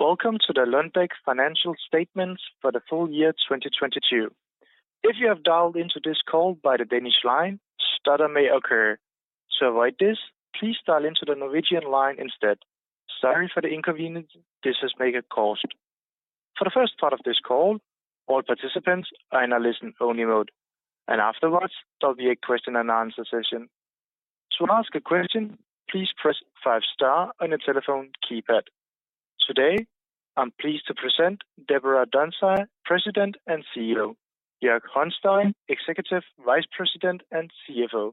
Welcome to the Lundbeck financial statements for the full year 2022. If you have dialed into this call by the Danish line, stutter may occur. To avoid this, please dial into the Norwegian line instead. Sorry for the inconvenience this may have caused. For the first part of this call, all participants are in a listen-only mode. Afterwards, there'll be a question and answer session. To ask a question, please press 5 star on your telephone keypad. Today, I'm pleased to present Deborah Dunsire, President and CEO, Joerg Hornstein, Executive Vice President and CFO,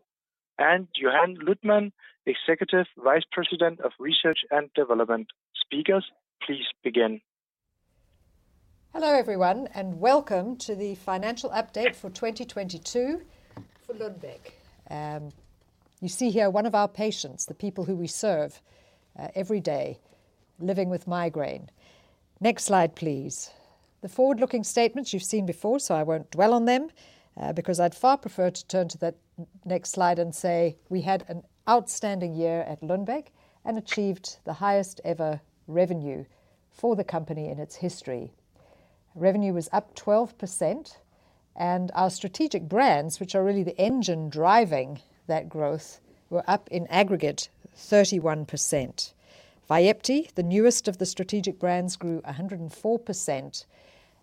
and Johan Luthman, Executive Vice President of Research and Development. Speakers, please begin. Hello, everyone, welcome to the financial update for 2022 for Lundbeck. You see here one of our patients, the people who we serve every day living with migraine. Next slide, please. The forward-looking statements you've seen before, so I won't dwell on them, because I'd far prefer to turn to the next slide and say we had an outstanding year at Lundbeck and achieved the highest ever revenue for the company in its history. Revenue was up 12%, and our strategic brands, which are really the engine driving that growth, were up in aggregate 31%. VYEPTI, the newest of the strategic brands, grew 104%,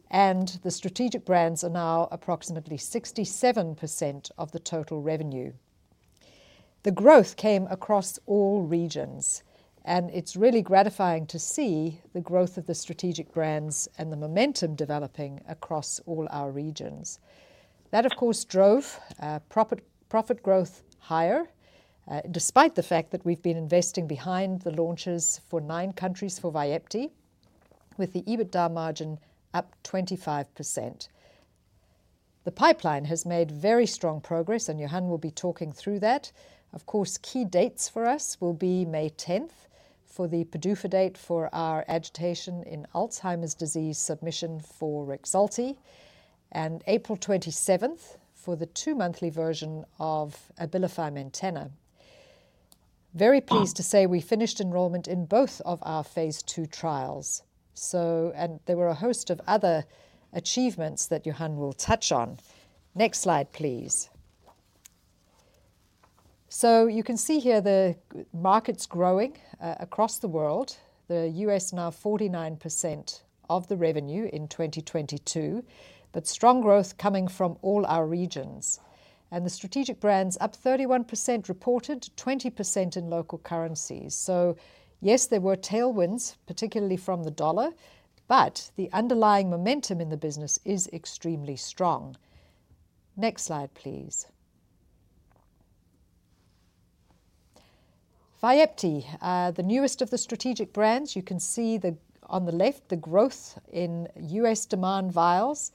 and the strategic brands are now approximately 67% of the total revenue. The growth came across all regions, and it's really gratifying to see the growth of the strategic brands and the momentum developing across all our regions. That, of course, drove profit growth higher despite the fact that we've been investing behind the launches for 9 countries for VYEPTI, with the EBITDA margin up 25%. The pipeline has made very strong progress, and Johan will be talking through that. Of course, key dates for us will be May 10th for the PDUFA date for our agitation in Alzheimer's disease submission for Rexulti, and April 27th for the 2-monthly version of ABILIFY ASIMTUFII. Very pleased to say we finished enrollment in both of our phase 2 trials. There were a host of other achievements that Johan will touch on. Next slide, please. You can see here the markets growing across the world. The U.S. now 49% of the revenue in 2022, but strong growth coming from all our regions. The strategic brands up 31% reported, 20% in local currencies. Yes, there were tailwinds, particularly from the dollar, but the underlying momentum in the business is extremely strong. Next slide, please. VYEPTI, the newest of the strategic brands. You can see the, on the left, the growth in U.S. demand vials,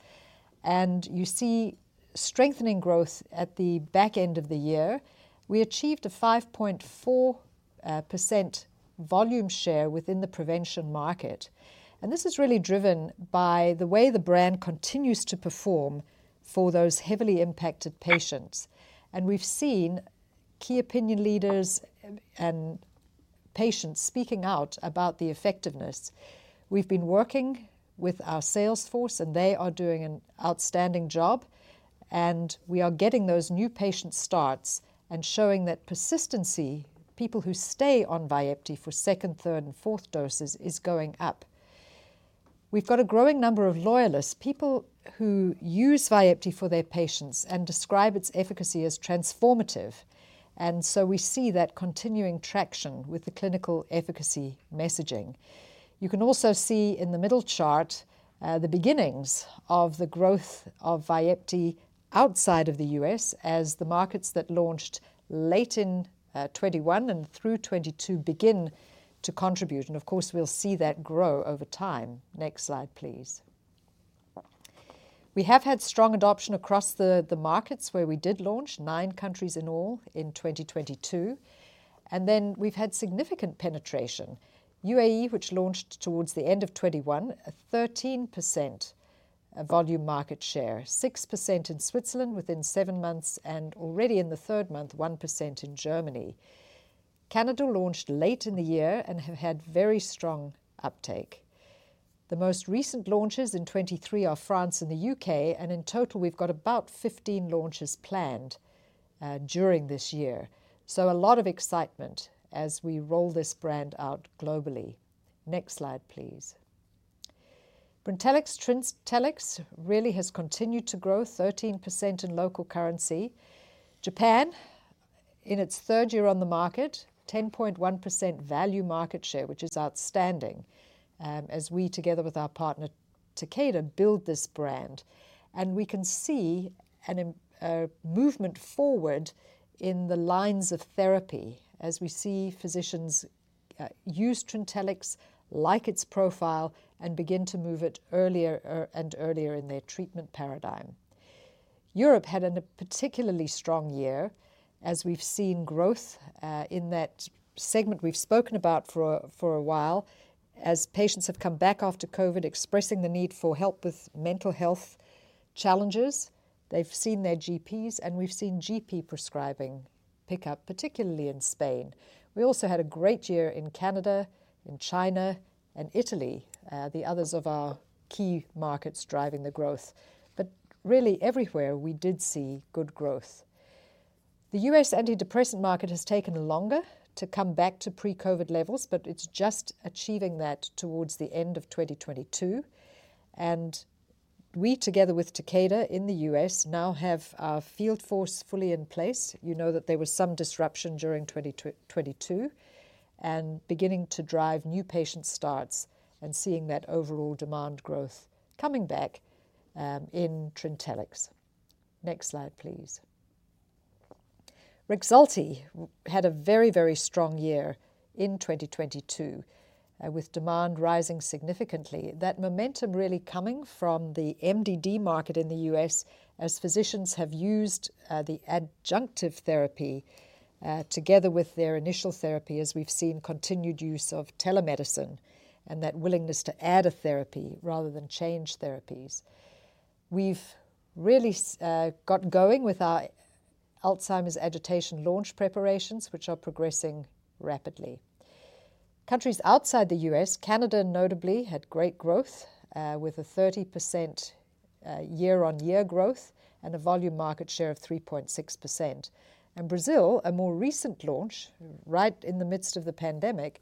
and you see strengthening growth at the back end of the year. We achieved a 5.4% volume share within the prevention market, and this is really driven by the way the brand continues to perform for those heavily impacted patients. We've seen key opinion leaders and patients speaking out about the effectiveness. We've been working with our sales force, and they are doing an outstanding job, and we are getting those new patient starts and showing that persistency, people who stay on Vyepti for second, third, and fourth doses is going up. We've got a growing number of loyalists, people who use Vyepti for their patients and describe its efficacy as transformative. We see that continuing traction with the clinical efficacy messaging. You can also see in the middle chart, the beginnings of the growth of Vyepti outside of the U.S. as the markets that launched late in 2021 and through 2022 begin to contribute. Of course, we'll see that grow over time. Next slide, please. We have had strong adoption across the markets where we did launch, nine countries in all in 2022. We've had significant penetration. UAE, which launched towards the end of 2021, a 13% volume market share, 6% in Switzerland within 7 months, and already in the third month, 1% in Germany. Canada launched late in the year and have had very strong uptake. The most recent launches in 2023 are France and the U.K., and in total, we've got about 15 launches planned during this year. A lot of excitement as we roll this brand out globally. Next slide, please. Brintellix, Trintellix really has continued to grow 13% in local currency. Japan, in its third year on the market, 10.1% value market share, which is outstanding as we together with our partner Takeda build this brand. We can see a movement forward in the lines of therapy as we see physicians use Trintellix, like its profile, and begin to move it earlier and earlier in their treatment paradigm. Europe had a particularly strong year as we've seen growth in that segment we've spoken about for a while. As patients have come back after COVID expressing the need for help with mental health challenges, they've seen their GPs, and we've seen GP prescribing pick up, particularly in Spain. We also had a great year in Canada, in China, and Italy, the others of our key markets driving the growth. Really everywhere we did see good growth. The U.S. antidepressant market has taken longer to come back to pre-COVID levels, but it's just achieving that towards the end of 2022. We together with Takeda in the U.S. now have our field force fully in place. You know that there was some disruption during 2022, and beginning to drive new patient starts and seeing that overall demand growth coming back in Trintellix. Next slide, please. Rexulti had a very strong year in 2022, with demand rising significantly. That momentum really coming from the MDD market in the U.S. as physicians have used the adjunctive therapy together with their initial therapy as we've seen continued use of telemedicine and that willingness to add a therapy rather than change therapies. We've really got going with our Alzheimer's agitation launch preparations, which are progressing rapidly. Countries outside the U.S., Canada notably had great growth, with a 30% year-on-year growth and a volume market share of 3.6%. Brazil, a more recent launch right in the midst of the pandemic,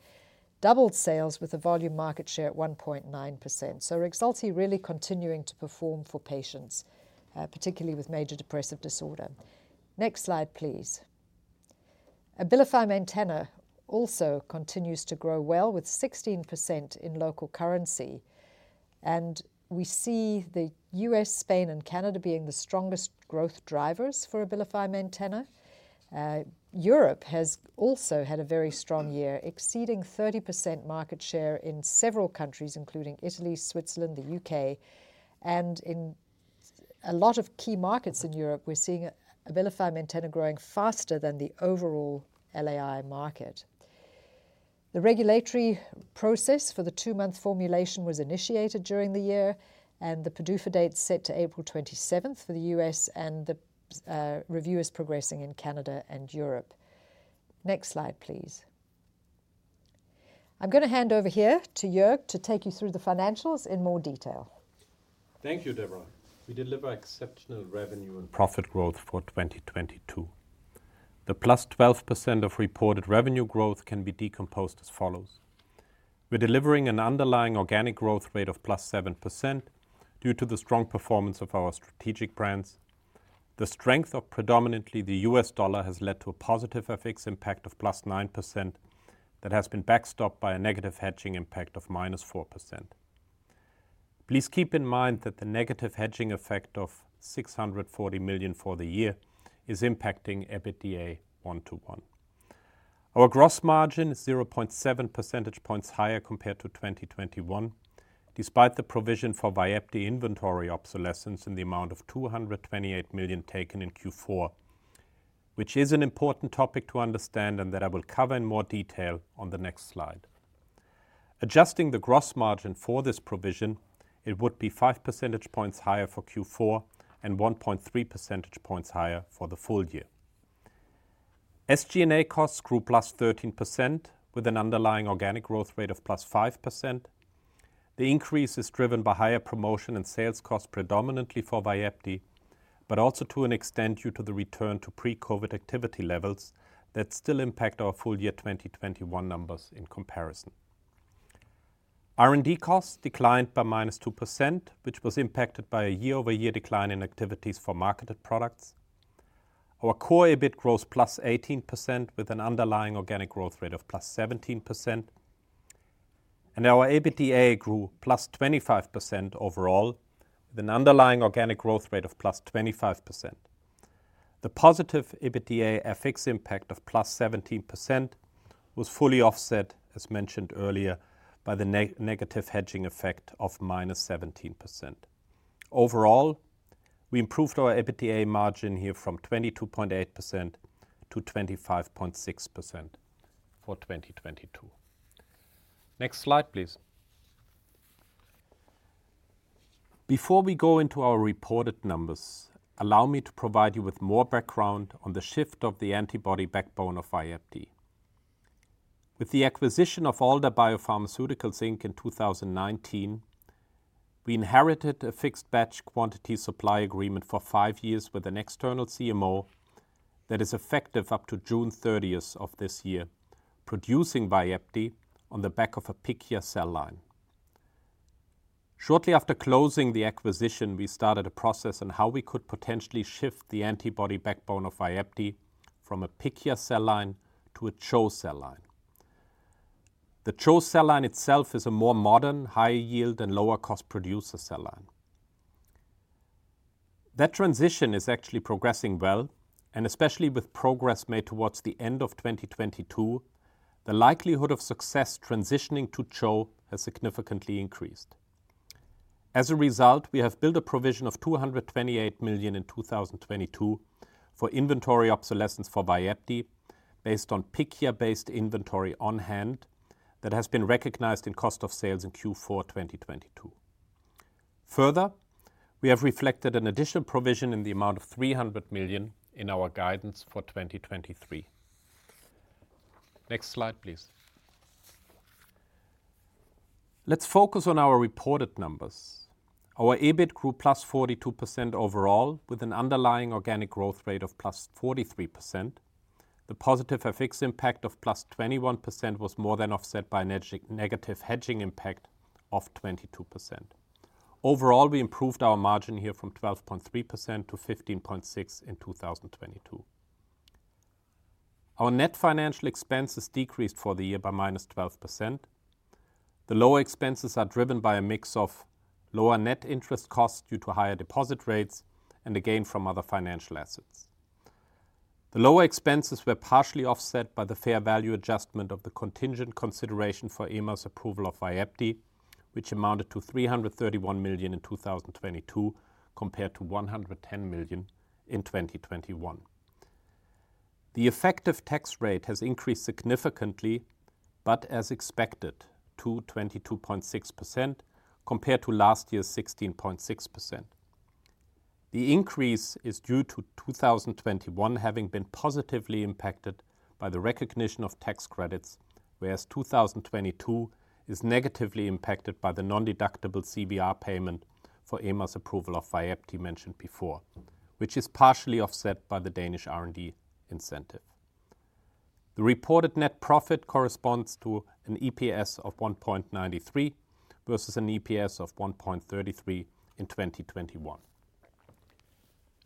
doubled sales with a volume market share at 1.9%. Rexulti really continuing to perform for patients, particularly with major depressive disorder. Next slide, please. Abilify Maintena also continues to grow well with 16% in local currency. We see the U.S., Spain, and Canada being the strongest growth drivers for Abilify Maintena. Europe has also had a very strong year, exceeding 30% market share in several countries, including Italy, Switzerland, the U.K. In a lot of key markets in Europe, we're seeing Abilify Maintena growing faster than the overall LAI market. The regulatory process for the two-month formulation was initiated during the year, and the PDUFA date's set to April 27th for the U.S. and the review is progressing in Canada and Europe. Next slide, please. I'm gonna hand over here to Joerg to take you through the financials in more detail. Thank you, Deborah. We delivered exceptional revenue and profit growth for 2022. The +12% of reported revenue growth can be decomposed as follows. We're delivering an underlying organic growth rate of +7% due to the strong performance of our strategic brands. The strength of predominantly the US dollar has led to a positive FX impact of +9% that has been backstopped by a negative hedging impact of -4%. Please keep in mind that the negative hedging effect of 640 million for the year is impacting EBITDA one-to-one. Our gross margin is 0.7 percentage points higher compared to 2021, despite the provision for Vyepti inventory obsolescence in the amount of 228 million taken in Q4, which is an important topic to understand and that I will cover in more detail on the next slide. Adjusting the gross margin for this provision, it would be 5 percentage points higher for Q4 and 1.3 percentage points higher for the full year. SG&A costs grew +13% with an underlying organic growth rate of +5%. The increase is driven by higher promotion and sales costs predominantly for VYEPTI, but also to an extent due to the return to pre-COVID activity levels that still impact our full year 2021 numbers in comparison. R&D costs declined by -2%, which was impacted by a year-over-year decline in activities for marketed products. Our core EBIT grows +18% with an underlying organic growth rate of +17%. Our EBITDA grew +25% overall with an underlying organic growth rate of +25%. The positive EBITDA FX impact of +17% was fully offset, as mentioned earlier, by the negative hedging effect of -17%. Overall, we improved our EBITDA margin here from 22.8% to 25.6% for 2022. Next slide, please. Before we go into our reported numbers, allow me to provide you with more background on the shift of the antibody backbone of VYEPTI. With the acquisition of Alder BioPharmaceuticals Inc. in 2019, we inherited a fixed batch quantity supply agreement for 5 years with an external CMO that is effective up to June 30th of this year, producing VYEPTI on the back of a Pichia cell line. Shortly after closing the acquisition, we started a process on how we could potentially shift the antibody backbone of VYEPTI from a Pichia cell line to a CHO cell line. The CHO cell line itself is a more modern, high yield, and lower cost producer cell line. That transition is actually progressing well, and especially with progress made towards the end of 2022, the likelihood of success transitioning to CHO has significantly increased. As a result, we have built a provision of 228 million in 2022 for inventory obsolescence for VYEPTI based on Pichia-based inventory on hand that has been recognized in cost of sales in Q4 2022. We have reflected an additional provision in the amount of 300 million in our guidance for 2023. Next slide, please. Let's focus on our reported numbers. Our EBIT grew +42% overall, with an underlying organic growth rate of +43%. The positive FX impact of +21% was more than offset by a negative hedging impact of 22%. Overall, we improved our margin here from 12.3% to 15.6% in 2022. Our net financial expenses decreased for the year by -12%. The lower expenses are driven by a mix of lower net interest costs due to higher deposit rates and a gain from other financial assets. The lower expenses were partially offset by the fair value adjustment of the contingent consideration for EMA's approval of Vyepti, which amounted to 331 million in 2022 compared to 110 million in 2021. The effective tax rate has increased significantly, but as expected, to 22.6% compared to last year's 16.6%. The increase is due to 2021 having been positively impacted by the recognition of tax credits, whereas 2022 is negatively impacted by the non-deductible CVR payment for EMA's approval of Vyepti mentioned before, which is partially offset by the Danish R&D incentive. The reported net profit corresponds to an EPS of 1.93 versus an EPS of 1.33 in 2021.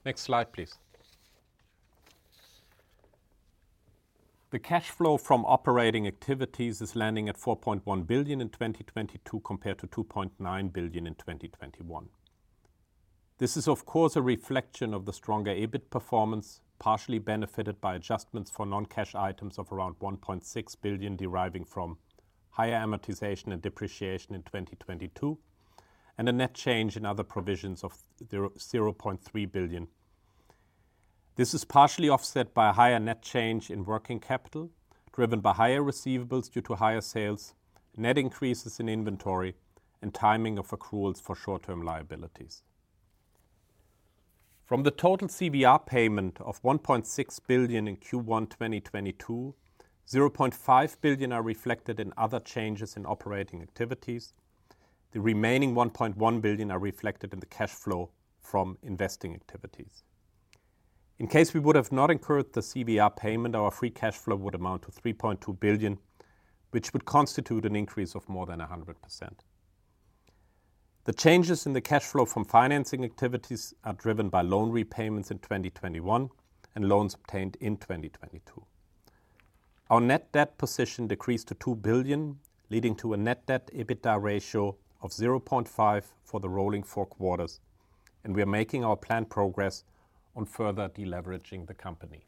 Next slide, please. The cash flow from operating activities is landing at 4.1 billion in 2022 compared to 2.9 billion in 2021. This is, of course, a reflection of the stronger EBIT performance, partially benefited by adjustments for non-cash items of around 1.6 billion deriving from higher amortization and depreciation in 2022 and a net change in other provisions of 0.3 billion. This is partially offset by a higher net change in working capital, driven by higher receivables due to higher sales, net increases in inventory, and timing of accruals for short-term liabilities. From the total CVR payment of 1.6 billion in Q1 2022, 0.5 billion are reflected in other changes in operating activities. The remaining 1.1 billion are reflected in the cash flow from investing activities. In case we would have not incurred the CVR payment, our free cash flow would amount to 3.2 billion, which would constitute an increase of more than 100%. The changes in the cash flow from financing activities are driven by loan repayments in 2021 and loans obtained in 2022. Our net debt position decreased to 2 billion, leading to a net debt EBITDA ratio of 0.5 for the rolling 4 quarters, and we are making our planned progress on further deleveraging the company.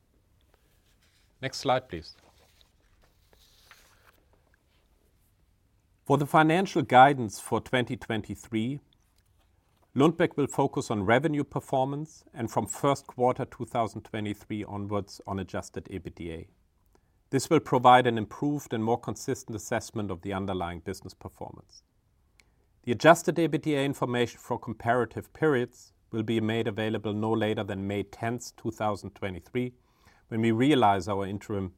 Next slide, please. For the financial guidance for 2023, Lundbeck will focus on revenue performance and from first quarter 2023 onwards on adjusted EBITDA. This will provide an improved and more consistent assessment of the underlying business performance. The adjusted EBITDA information for comparative periods will be made available no later than May 10, 2023, when we release our interim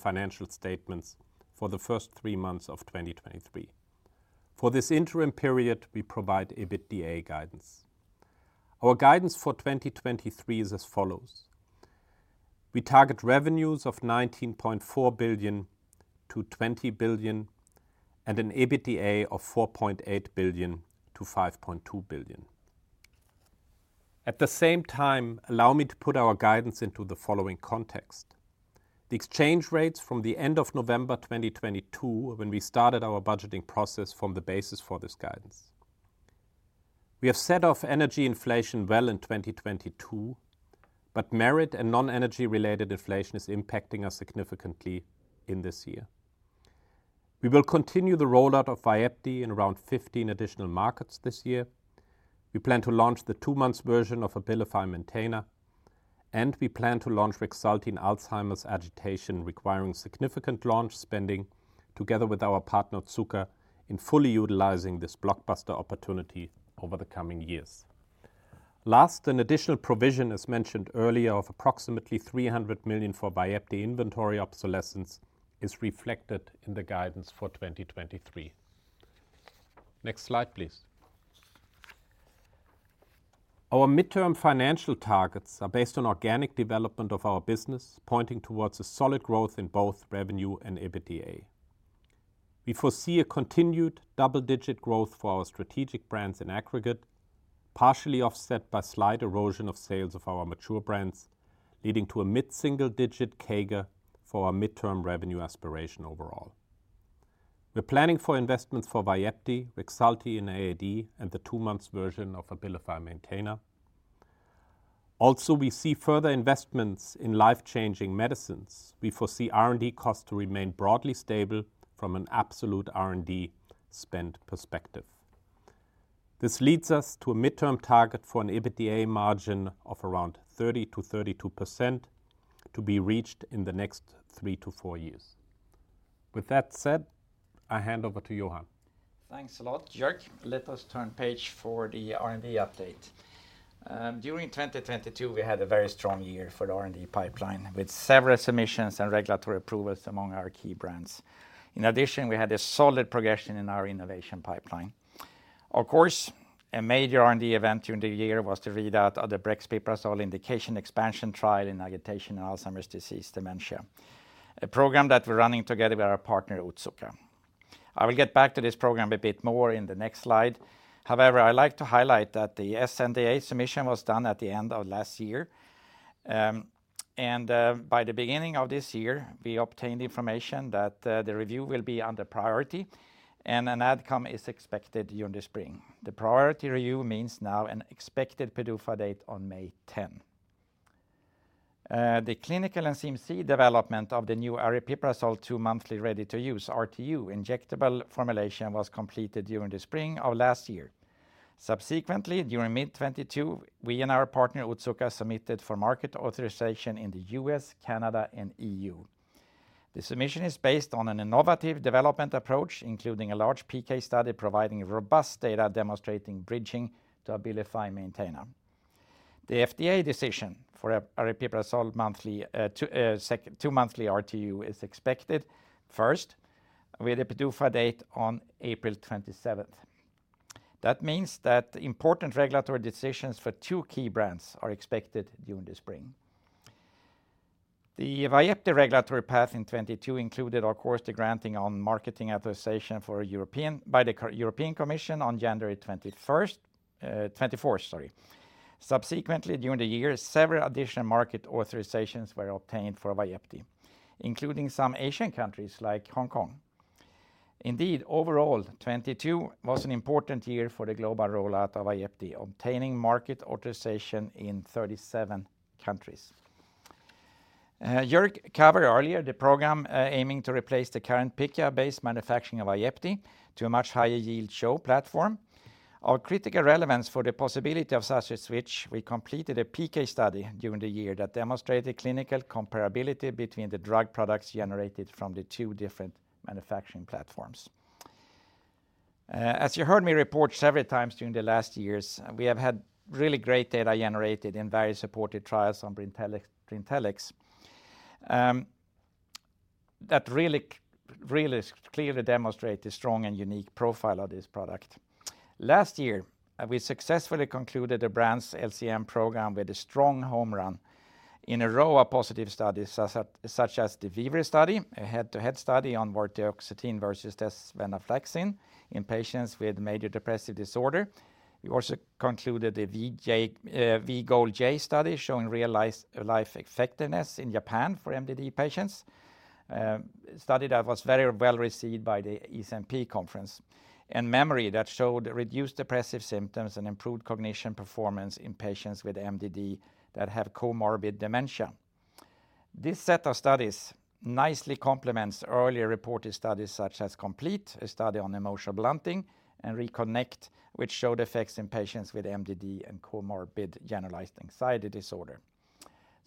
financial statements for the first 3 months of 2023. For this interim period, we provide EBITDA guidance. Our guidance for 2023 is as follows. We target revenues of 19.4 billion-20 billion and an EBITDA of 4.8 billion-5.2 billion. At the same time, allow me to put our guidance into the following context. The exchange rates from the end of November 2022, when we started our budgeting process from the basis for this guidance. We have set off energy inflation well in 2022, but merit and non-energy-related inflation is impacting us significantly in this year. We will continue the rollout of Vyepti in around 15 additional markets this year. We plan to launch the 2-month version of Abilify Maintena, and we plan to launch Rexulti in Alzheimer's agitation, requiring significant launch spending together with our partner, Otsuka, in fully utilizing this blockbuster opportunity over the coming years. Last, an additional provision, as mentioned earlier, of approximately $300 million for Vyepti inventory obsolescence is reflected in the guidance for 2023. Next slide, please. Our midterm financial targets are based on organic development of our business, pointing towards a solid growth in both revenue and EBITDA. We foresee a continued double-digit growth for our strategic brands in aggregate, partially offset by slight erosion of sales of our mature brands, leading to a mid-single digit CAGR for our midterm revenue aspiration overall. We're planning for investments for Vyepti, Rexulti in AD, and the two-month version of Abilify Maintena. Also, we see further investments in life-changing medicines. We foresee R&D costs to remain broadly stable from an absolute R&D spend perspective. This leads us to a midterm target for an EBITDA margin of around 30%-32% to be reached in the next 3 to 4 years. With that said, I hand over to Johan. Thanks a lot, Joerg. Let us turn page for the R&D update. During 2022, we had a very strong year for the R&D pipeline, with several submissions and regulatory approvals among our key brands. We had a solid progression in our innovation pipeline. A major R&D event during the year was the readout of the brexpiprazole indication expansion trial in agitation Alzheimer's disease dementia, a program that we're running together with our partner, Otsuka. I will get back to this program a bit more in the next slide. I like to highlight that the sNDA submission was done at the end of last year. By the beginning of this year, we obtained information that the review will be under priority, and an outcome is expected during the spring. The priority review means now an expected PDUFA date on May 10. The clinical and CMC development of the new aripiprazole two-monthly ready-to-use, RTU, injectable formulation was completed during the spring of last year. Subsequently, during mid 2022, we and our partner, Otsuka, submitted for market authorization in the U.S., Canada, and EU. The submission is based on an innovative development approach, including a large PK study providing robust data demonstrating bridging to Abilify Maintena. The FDA decision for aripiprazole two-monthly RTU is expected first, with a PDUFA date on April 27th. Important regulatory decisions for two key brands are expected during the spring. The Vyepti regulatory path in 2022 included, of course, the granting on marketing authorization by the European Commission on January 21st, 24th, sorry. Subsequently, during the year, several additional market authorizations were obtained for VYEPTI, including some Asian countries like Hong Kong. Indeed, overall, 2022 was an important year for the global rollout of VYEPTI, obtaining market authorization in 37 countries. Joerg covered earlier the program, aiming to replace the current Pichia-based manufacturing of VYEPTI to a much higher yield CHO platform. Our critical relevance for the possibility of such a switch, we completed a PK study during the year that demonstrated clinical comparability between the drug products generated from the 2 different manufacturing platforms. As you heard me report several times during the last years, we have had really great data generated in very supported trials on Brintellix, that really clearly demonstrate the strong and unique profile of this product. Last year, we successfully concluded the brand's LCM program with a strong home run in a row of positive studies, such as the VIVRE study, a head-to-head study on vortioxetine versus desvenlafaxine in patients with major depressive disorder. We also concluded the V-GOAL-J study showing real life effectiveness in Japan for MDD patients, a study that was very well-received by the ECNP conference, and MEMORY that showed reduced depressive symptoms and improved cognition performance in patients with MDD that have comorbid dementia. This set of studies nicely complements earlier reported studies such as COMPLETE, a study on emotional blunting, and RECONNECT, which showed effects in patients with MDD and comorbid generalized anxiety disorder.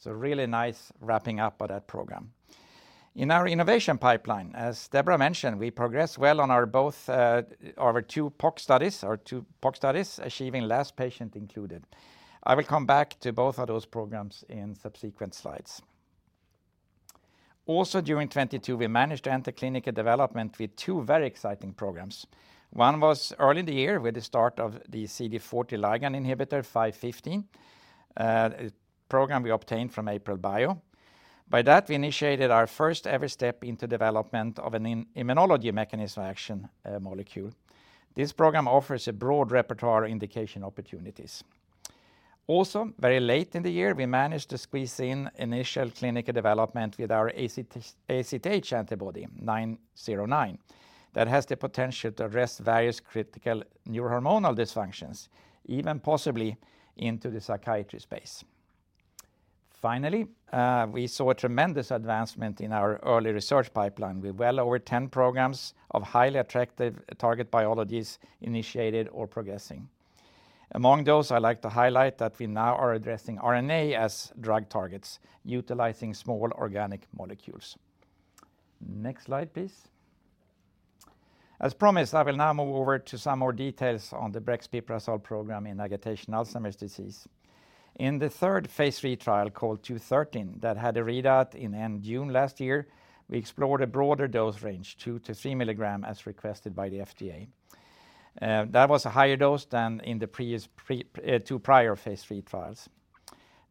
Really nice wrapping up of that program. In our innovation pipeline, as Deborah mentioned, we progress well on our 2 POC studies, achieving last patient included. I will come back to both of those programs in subsequent slides. During 22, we managed to enter clinical development with 2 very exciting programs. 1 was early in the year with the start of the CD40 ligand inhibitor 515, a program we obtained from AprilBio. By that, we initiated our first-ever step into development of an immunology mechanism action molecule. This program offers a broad repertoire indication opportunities. Very late in the year, we managed to squeeze in initial clinical development with our ACTH antibody, 909, that has the potential to address various critical neurohormonal dysfunctions, even possibly into the psychiatry space. Finally, we saw a tremendous advancement in our early research pipeline with well over 10 programs of highly attractive target biologies initiated or progressing. Among those, I like to highlight that we now are addressing RNA as drug targets utilizing small organic molecules. Next slide, please. As promised, I will now move over to some more details on the brexpiprazole program in agitation Alzheimer's disease. In the 3rd phase 3 trial called 213 that had a readout in end June last year, we explored a broader dose range, 2 to 3 mg, as requested by the FDA. That was a higher dose than in the previous 2 prior phase 3 trials.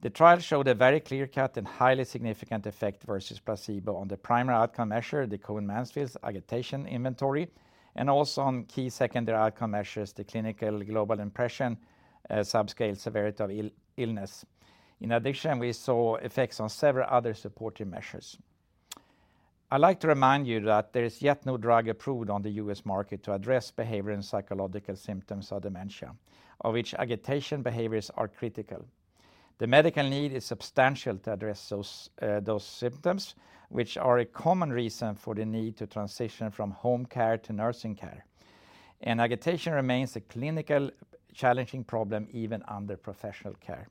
The trial showed a very clear-cut and highly significant effect versus placebo on the primary outcome measure, the Cohen-Mansfield Agitation Inventory, and also on key secondary outcome measures, the Clinical Global Impression subscale severity of illness. In addition, we saw effects on several other supportive measures. I like to remind you that there is yet no drug approved on the U.S. market to address behavior and psychological symptoms of dementia, of which agitation behaviors are critical. The medical need is substantial to address those symptoms, which are a common reason for the need to transition from home care to nursing care. Agitation remains a clinical challenging problem even under professional care.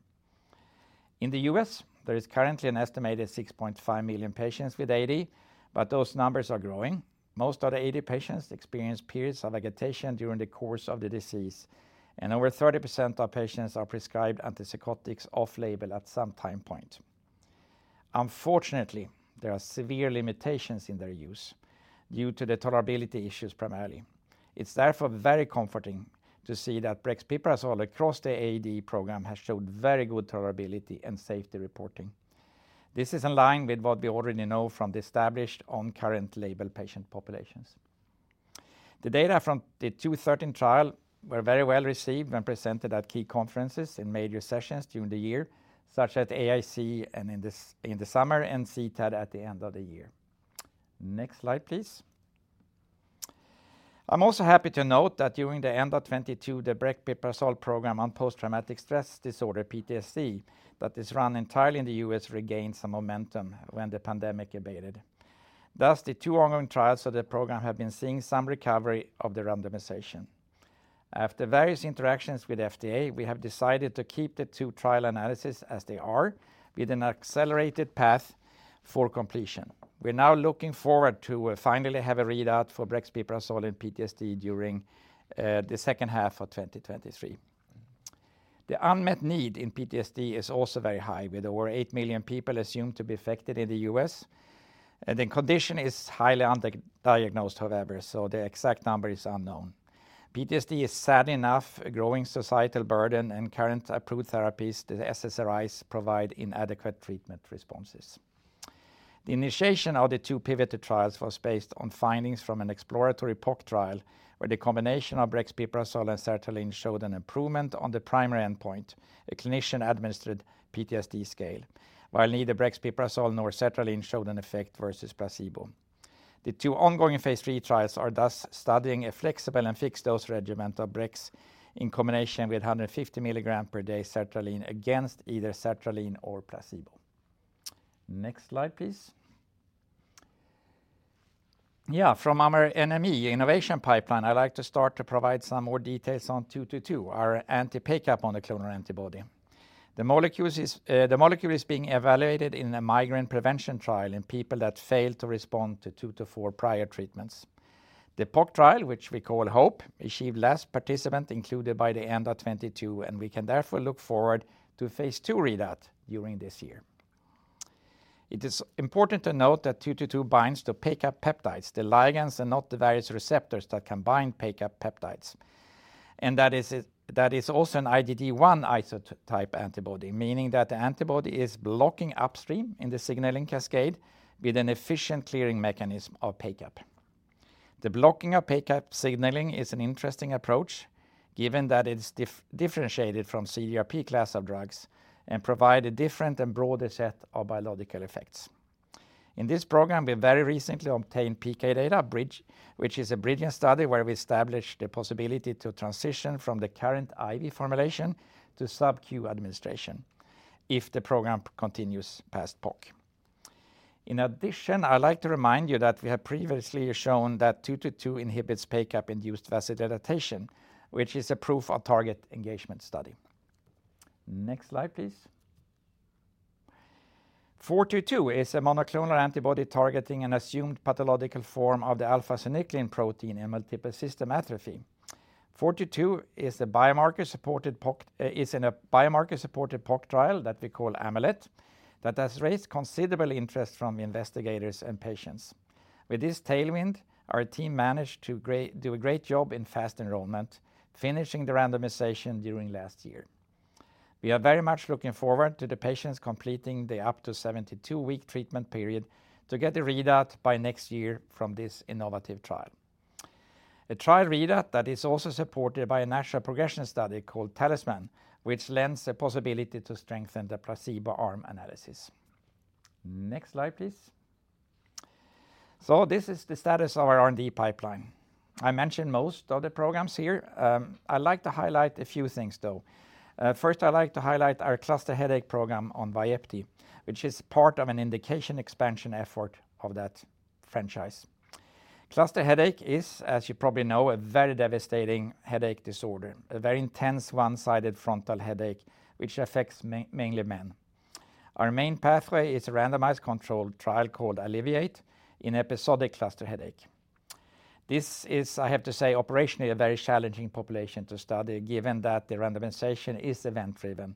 In the U.S., there is currently an estimated 6.5 million patients with AD, but those numbers are growing. Most of the AD patients experience periods of agitation during the course of the disease. Over 30% of patients are prescribed antipsychotics off-label at some time point. Unfortunately, there are severe limitations in their use due to the tolerability issues primarily. It's therefore very comforting to see that brexpiprazole across the AD program has showed very good tolerability and safety reporting. This is in line with what we already know from the established on current label patient populations. The data from Trial 213 were very well received when presented at key conferences in major sessions during the year, such as AIC in the summer and CTAD at the end of the year. Next slide, please. I'm also happy to note that during the end of 2022, the brexpiprazole program on post-traumatic stress disorder, PTSD, that is run entirely in the U.S., regained some momentum when the pandemic abated. Thus, the 2 ongoing trials of the program have been seeing some recovery of the randomization. After various interactions with FDA, we have decided to keep the 2 trial analysis as they are with an accelerated path for completion. We're now looking forward to finally have a readout for brexpiprazole in PTSD during the second half of 2023. The unmet need in PTSD is also very high, with over 8 million people assumed to be affected in the U.S. The condition is highly underdiagnosed, however, so the exact number is unknown. PTSD is sadly enough a growing societal burden, and current approved therapies, the SSRIs, provide inadequate treatment responses. The initiation of the two pivoted trials was based on findings from an exploratory POC trial where the combination of brexpiprazole and sertraline showed an improvement on the primary endpoint, a clinician-administered PTSD scale, while neither brexpiprazole nor sertraline showed an effect versus placebo. The two ongoing phase 3 trials are thus studying a flexible and fixed-dose regimen of brex in combination with 150 mg per day sertraline against either sertraline or placebo. Next slide, please. Yeah, from our NME innovation pipeline, I'd like to start to provide some more details on two two two, our anti-PACAP monoclonal antibody. The molecule is being evaluated in a migraine prevention trial in people that fail to respond to 2 to 4 prior treatments. The POC trial, which we call HOPE, achieved last participant included by the end of 2022, and we can therefore look forward to phase 2 readout during this year. It is important to note that Lu AG09222 binds to PACAP peptides, the ligands and not the various receptors that can bind PACAP peptides. That is also an IgG1 isotype antibody, meaning that the antibody is blocking upstream in the signaling cascade with an efficient clearing mechanism of PACAP. The blocking of PACAP signaling is an interesting approach, given that it's differentiated from CGRP class of drugs and provide a different and broader set of biological effects. In this program, we very recently obtained PK data bridge, which is a bridging study where we establish the possibility to transition from the current IV formulation to subQ administration if the program continues past POC. In addition, I'd like to remind you that we have previously shown that 222 inhibits PACAP-induced vasodilation, which is a proof-of-target engagement study. Next slide, please. 422 is a monoclonal antibody targeting an assumed pathological form of the alpha-synuclein protein in multiple system atrophy. 422 is in a biomarker-supported POC trial that we call AMULET that has raised considerable interest from investigators and patients. With this tailwind, our team managed to do a great job in fast enrollment, finishing the randomization during last year. We are very much looking forward to the patients completing the up to 72-week treatment period to get the readout by next year from this innovative trial. A trial readout that is also supported by a natural progression study called TALISMAN, which lends the possibility to strengthen the placebo arm analysis. Next slide, please. This is the status of our R&D pipeline. I mentioned most of the programs here. I'd like to highlight a few things, though. First, I'd like to highlight our cluster headache program on Vyepti, which is part of an indication expansion effort of that franchise. Cluster headache is, as you probably know, a very devastating headache disorder, a very intense one-sided frontal headache, which affects mainly men. Our main pathway is a randomized controlled trial called ALLEVIATE in episodic cluster headache. This is, I have to say, operationally a very challenging population to study, given that the randomization is event-driven,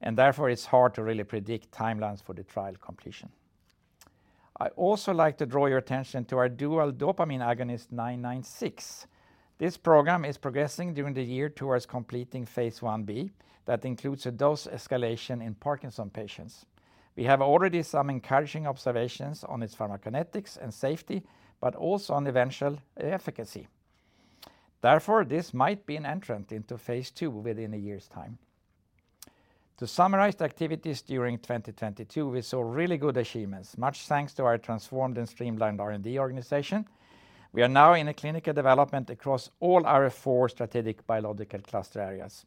and therefore it's hard to really predict timelines for the trial completion. I also like to draw your attention to our dual dopamine agonist 996. This program is progressing during the year towards completing phase 1B that includes a dose escalation in Parkinson's patients. We have already some encouraging observations on its pharmacokinetics and safety, also on eventual efficacy. Therefore, this might be an entrant into phase II within a year's time. To summarize the activities during 2022, we saw really good achievements, much thanks to our transformed and streamlined R&D organization. We are now in a clinical development across all our four strategic biological cluster areas.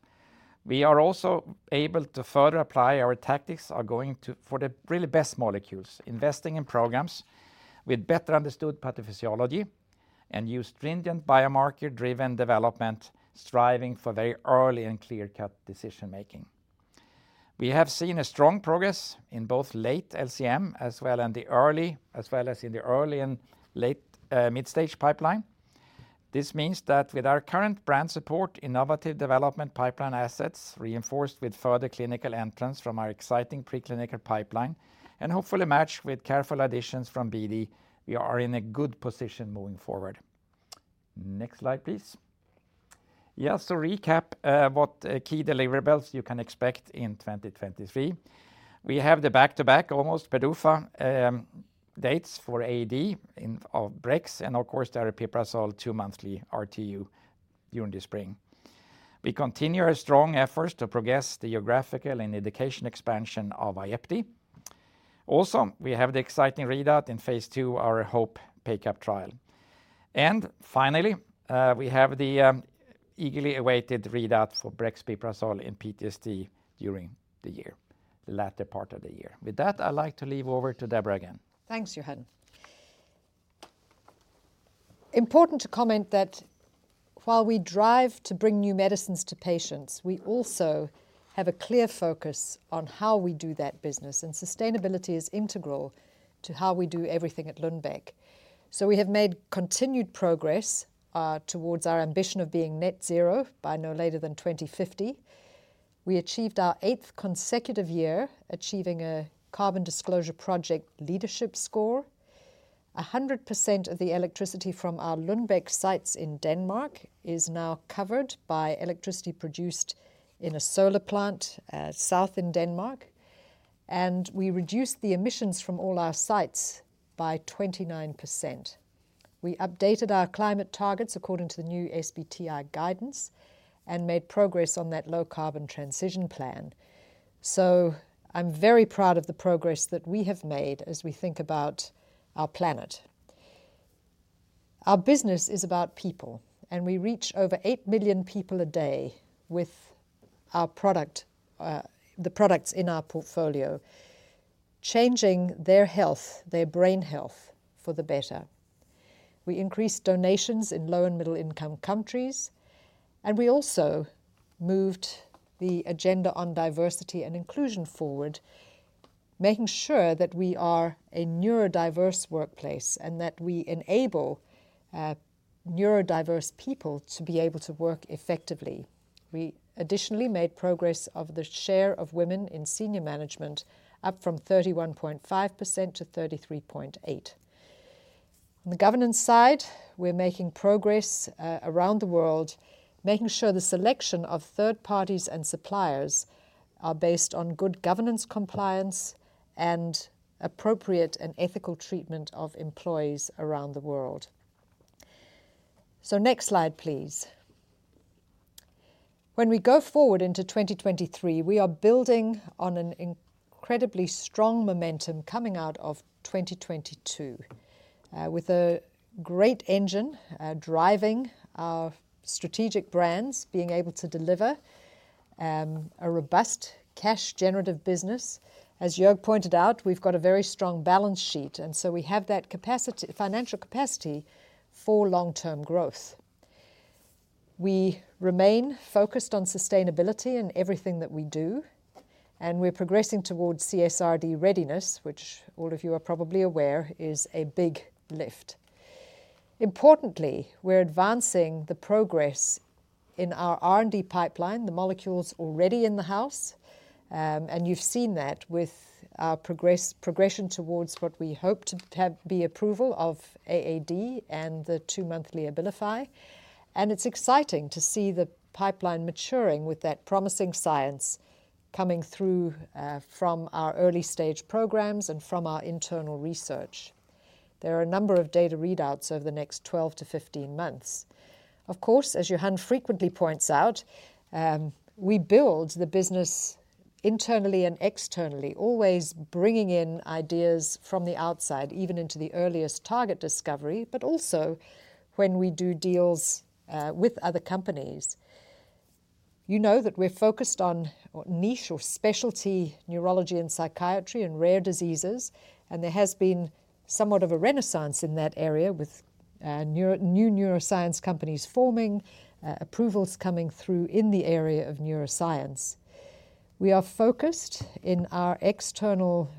We are also able to further apply our tactics for the really best molecules, investing in programs with better understood pathophysiology. Use stringent biomarker-driven development striving for very early and clear-cut decision making. We have seen a strong progress in both late LCM as well as in the early and late mid-stage pipeline. This means that with our current brand support, innovative development pipeline assets reinforced with further clinical entrants from our exciting preclinical pipeline, and hopefully matched with careful additions from BD, we are in a good position moving forward. Next slide, please. Recap what key deliverables you can expect in 2023. We have the back-to-back almost PDUFA dates for AD in of Brex and of course the aripiprazole two-monthly RTU during the spring. We continue our strong efforts to progress the geographical and indication expansion of Vyepti. We have the exciting readout in phase two, our HOPE PACAP trial. Finally, we have the eagerly awaited readout for brexpiprazole in PTSD during the year, the latter part of the year. With that, I'd like to leave over to Debra again. Thanks, Johan. Important to comment that while we drive to bring new medicines to patients, we also have a clear focus on how we do that business, and sustainability is integral to how we do everything at Lundbeck. We have made continued progress towards our ambition of being net zero by no later than 2050. We achieved our eighth consecutive year achieving a Carbon Disclosure Project leadership score. 100% of the electricity from our Lundbeck sites in Denmark is now covered by electricity produced in a solar plant south in Denmark. We reduced the emissions from all our sites by 29%. We updated our climate targets according to the new SBTi guidance and made progress on that low carbon transition plan. I'm very proud of the progress that we have made as we think about our planet. Our business is about people. We reach over 8 million people a day with our product, the products in our portfolio, changing their health, their brain health for the better. We increased donations in low and middle income countries. We also moved the agenda on diversity and inclusion forward, making sure that we are a neurodiverse workplace and that we enable neurodiverse people to be able to work effectively. We additionally made progress of the share of women in senior management up from 31.5% to 33.8%. On the governance side, we're making progress around the world, making sure the selection of third parties and suppliers are based on good governance compliance and appropriate and ethical treatment of employees around the world. Next slide, please. When we go forward into 2023, we are building on an incredibly strong momentum coming out of 2022, with a great engine driving our strategic brands being able to deliver a robust cash generative business. As Joerg pointed out, we've got a very strong balance sheet, and so we have that capacity, financial capacity for long-term growth. We remain focused on sustainability in everything that we do, and we're progressing towards CSRD readiness, which all of you are probably aware is a big lift. Importantly, we're advancing the progression in our R&D pipeline, the molecules already in the house, and you've seen that with our progression towards what we hope to have be approval of AAD and the 2-monthly Abilify. It's exciting to see the pipeline maturing with that promising science coming through from our early stage programs and from our internal research. There are a number of data readouts over the next 12 to 15 months. Of course, as Johan frequently points out, we build the business internally and externally, always bringing in ideas from the outside, even into the earliest target discovery, but also when we do deals with other companies. You know that we're focused on niche or specialty neurology and psychiatry and rare diseases, and there has been somewhat of a renaissance in that area with new neuroscience companies forming, approvals coming through in the area of neuroscience. We are focused in our external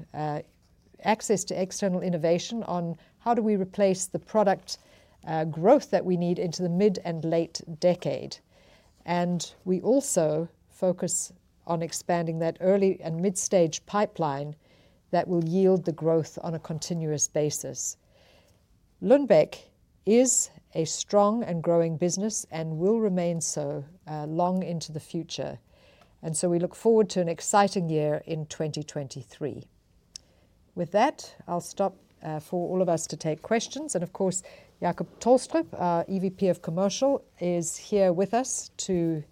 access to external innovation on how do we replace the product growth that we need into the mid and late decade. We also focus on expanding that early and mid-stage pipeline that will yield the growth on a continuous basis. Lundbeck is a strong and growing business and will remain so long into the future. We look forward to an exciting year in 2023. With that, I'll stop for all of us to take questions. Of course, Jacob Tolstrup, our EVP of Commercial, is here with us to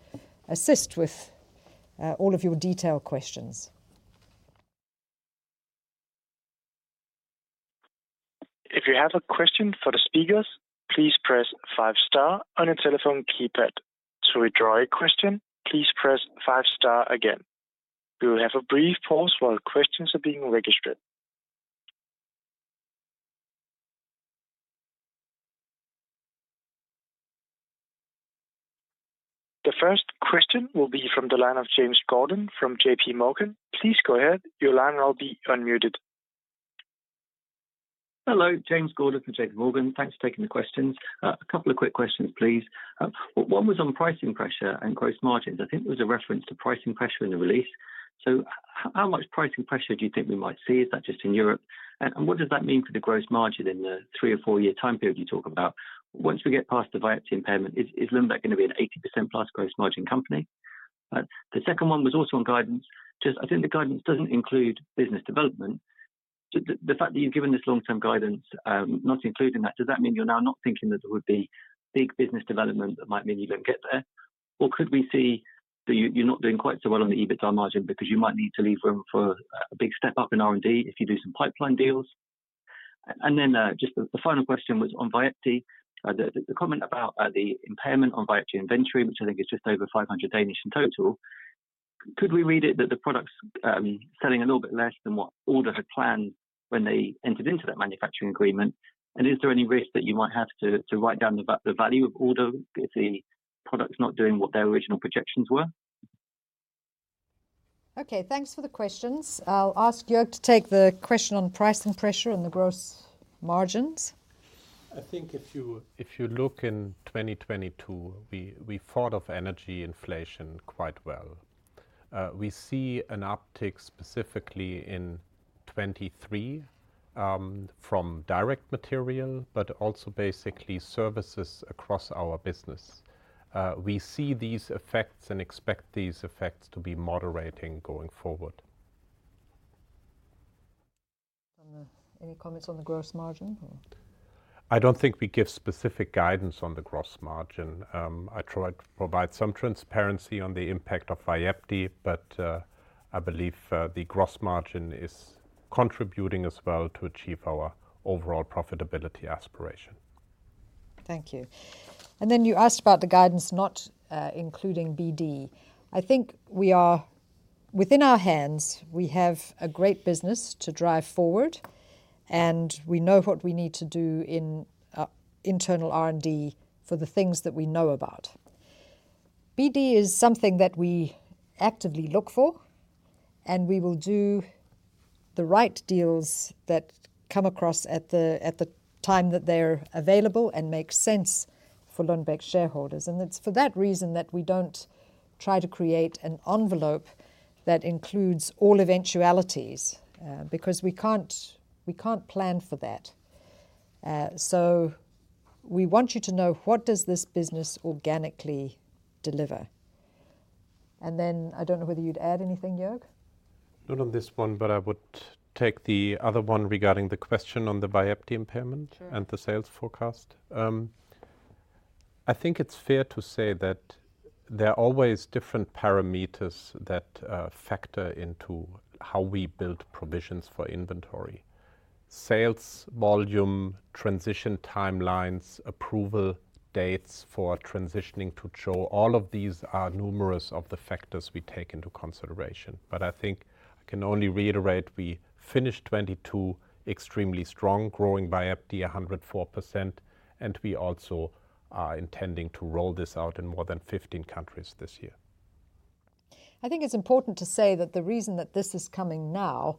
assist with all of your detail questions. If you have a question for the speakers, please press five star on your telephone keypad. To withdraw a question, please press five star again. We'll have a brief pause while questions are being registered. The first question will be from the line of James Gordon from JPMorgan. Please go ahead. Your line will be unmuted. Hello. James Gordon from JPMorgan. Thanks for taking the questions. A couple of quick questions, please. One was on pricing pressure and gross margins. I think there was a reference to pricing pressure in the release. How much pricing pressure do you think we might see? Is that just in Europe? What does that mean for the gross margin in the three or four year time period you talk about? Once we get past the Vyepti impairment, is Lundbeck gonna be an 80% plus gross margin company? The second one was also on guidance. Just I think the guidance doesn't include business development. The fact that you've given this long-term guidance, not including that, does that mean you're now not thinking that there would be big business development that might mean you don't get there? Could we see that you're not doing quite so well on the EBITDA margin because you might need to leave room for a big step up in R&D if you do some pipeline deals? Just the final question was on Vyepti. The comment about the impairment on Vyepti inventory, which I think is just over 500 in total, could we read it that the product's selling a little bit less than what Alder had planned when they entered into that manufacturing agreement? Is there any risk that you might have to write down the value of Alder if the product's not doing what their original projections were? Okay, thanks for the questions. I'll ask Joerg to take the question on pricing pressure and the gross margins. I think if you look in 2022, we thought of energy inflation quite well. We see an uptick specifically in 2023, from direct material, but also basically services across our business. We see these effects and expect these effects to be moderating going forward. Any comments on the gross margin or? I don't think we give specific guidance on the gross margin. I tried to provide some transparency on the impact of Vyepti, but I believe the gross margin is contributing as well to achieve our overall profitability aspiration. Thank you. You asked about the guidance not including BD. I think within our hands, we have a great business to drive forward, and we know what we need to do in internal R&D for the things that we know about. BD is something that we actively look for, and we will do the right deals that come across at the time that they're available and make sense for Lundbeck shareholders. It's for that reason that we don't try to create an envelope that includes all eventualities, because we can't plan for that. We want you to know what does this business organically deliver. I don't know whether you'd add anything, Joerg. Not on this one, but I would take the other one regarding the question on the Vyepti impairment. Sure. The sales forecast. I think it's fair to say that there are always different parameters that factor into how we build provisions for inventory. Sales volume, transition timelines, approval dates for transitioning to CHO. All of these are numerous of the factors we take into consideration. I think I can only reiterate we finished 2022 extremely strong, growing Vyepti 104%, and we also are intending to roll this out in more than 15 countries this year. I think it's important to say that the reason that this is coming now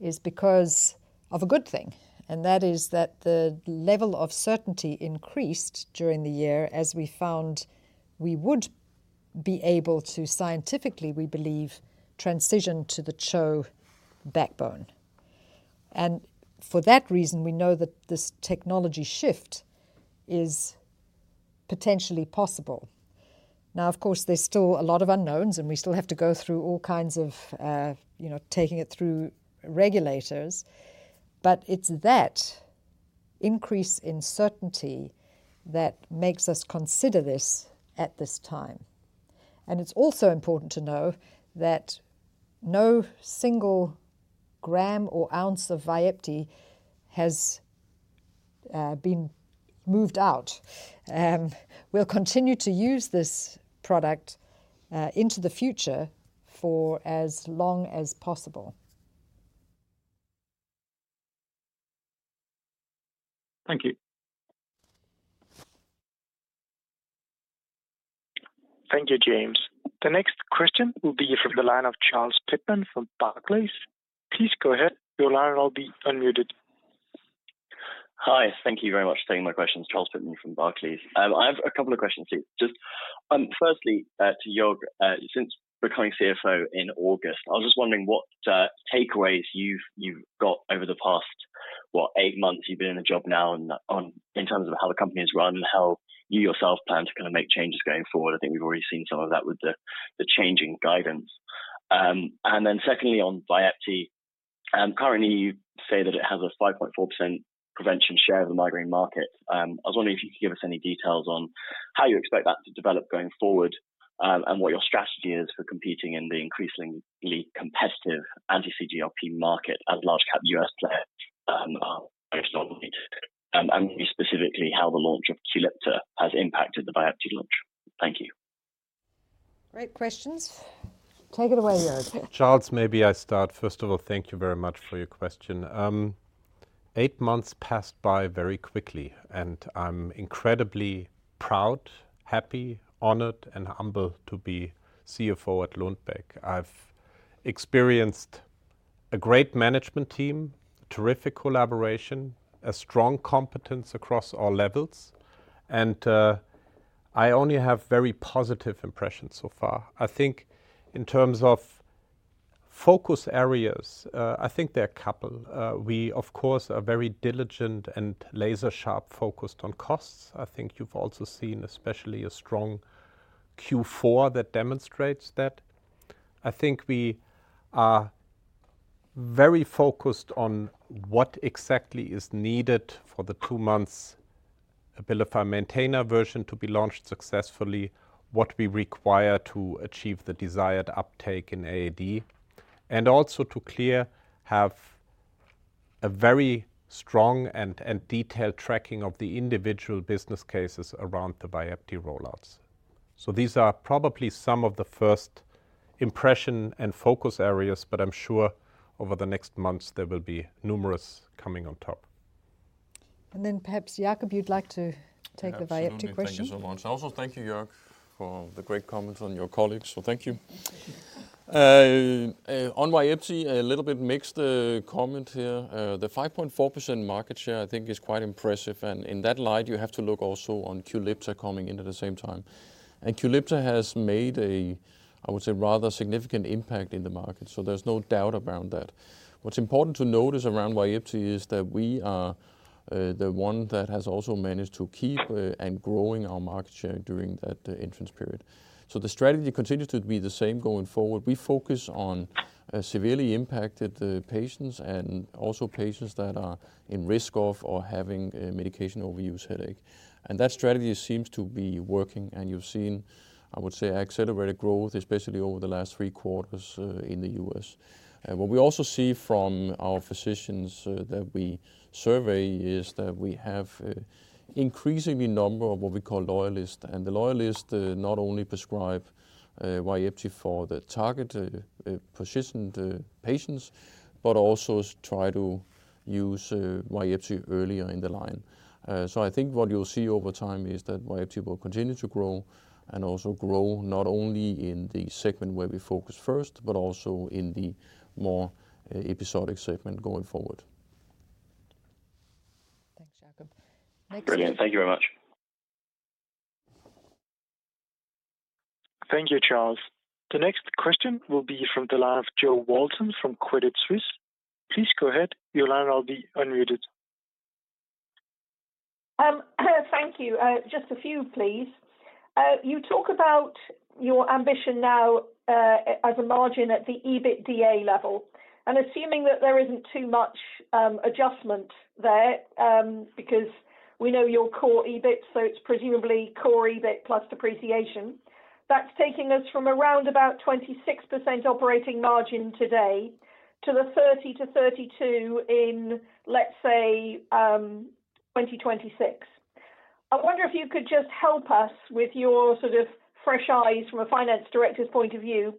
is because of a good thing, and that is that the level of certainty increased during the year as we found we would be able to scientifically, we believe, transition to the CHO backbone. For that reason, we know that this technology shift is potentially possible. Of course, there's still a lot of unknowns, and we still have to go through all kinds of, you know, taking it through regulators, but it's that increase in certainty that makes us consider this at this time. It's also important to know that no single gram or ounce of Vyepti has been moved out. We'll continue to use this product, into the future for as long as possible. Thank you. Thank you, James. The next question will be from the line of Charles Pitman-King from Barclays. Please go ahead. Your line will be unmuted. Hi. Thank you very much for taking my questions. Charles Pitman-King from Barclays. I have a couple of questions here. Just, firstly, to Joerg, since becoming CFO in August, I was just wondering what takeaways you've got over the past, what, 8 months you've been in the job now and, in terms of how the company is run and how you yourself plan to kinda make changes going forward. I think we've already seen some of that with the changing guidance. Secondly, on Vyepti, currently you say that it has a 5.4% prevention share of the migraine market. I was wondering if you could give us any details on how you expect that to develop going forward, and what your strategy is for competing in the increasingly competitive anti-CGRP market as large cap US player, I guess, normally do. Specifically how the launch of Qulipta has impacted the Vyepti launch. Thank you. Great questions. Take it away, Joerg. Charles, maybe I start. Thank you very much for your question. Eight months passed by very quickly, and I'm incredibly proud, happy, honored, and humbled to be CFO at Lundbeck. I've experienced a great management team, terrific collaboration, a strong competence across all levels, and I only have very positive impressions so far. I think in terms of focus areas, I think there are a couple. We of course, are very diligent and laser-sharp focused on costs. I think you've also seen especially a strong Q4 that demonstrates that. I think we are very focused on what exactly is needed for the two months Abilify Maintena version to be launched successfully, what we require to achieve the desired uptake in AAD, and also to clear have a very strong and detailed tracking of the individual business cases around the Vyepti rollouts. These are probably some of the first impression and focus areas, but I'm sure over the next months there will be numerous coming on top. Perhaps, Jacob, you'd like to take the Vyepti question. Absolutely. Thank you so much. Also, thank you, Joerg, for the great comments on your colleagues. Thank you. On Vyepti, a little bit mixed comment here. The 5.4% market share I think is quite impressive. In that light, you have to look also on Qulipta coming in at the same time. Qulipta has made a, I would say, rather significant impact in the market, so there's no doubt around that. What's important to note is around Vyepti is that we are the one that has also managed to keep and growing our market share during that entrance period. The strategy continues to be the same going forward. We focus on severely impacted patients and also patients that are in risk of or having a medication overuse headache. That strategy seems to be working. You've seen, I would say, accelerated growth, especially over the last three quarters, in the U.S. What we also see from our physicians that we survey is that we have increasingly number of what we call loyalists. The loyalists not only prescribe Vyepti for the targeted, persistent patients, but also try to use Vyepti earlier in the line. I think what you'll see over time is that Vyepti will continue to grow and also grow not only in the segment where we focus first, but also in the more episodic segment going forward. Thanks, Jacob. Next- Brilliant. Thank you very much. Thank you, Charles. The next question will be from the line of Jo Walton from Credit Suisse. Please go ahead. Your line will be unmuted. Thank you. Just a few, please. You talk about your ambition now, as a margin at the EBITDA level. Assuming that there isn't too much adjustment there, because we know your core EBIT, so it's presumably core EBIT plus depreciation. That's taking us from around about 26% operating margin today to the 30-32% in, let's say, 2026. I wonder if you could just help us with your sort of fresh eyes from a finance director's point of view,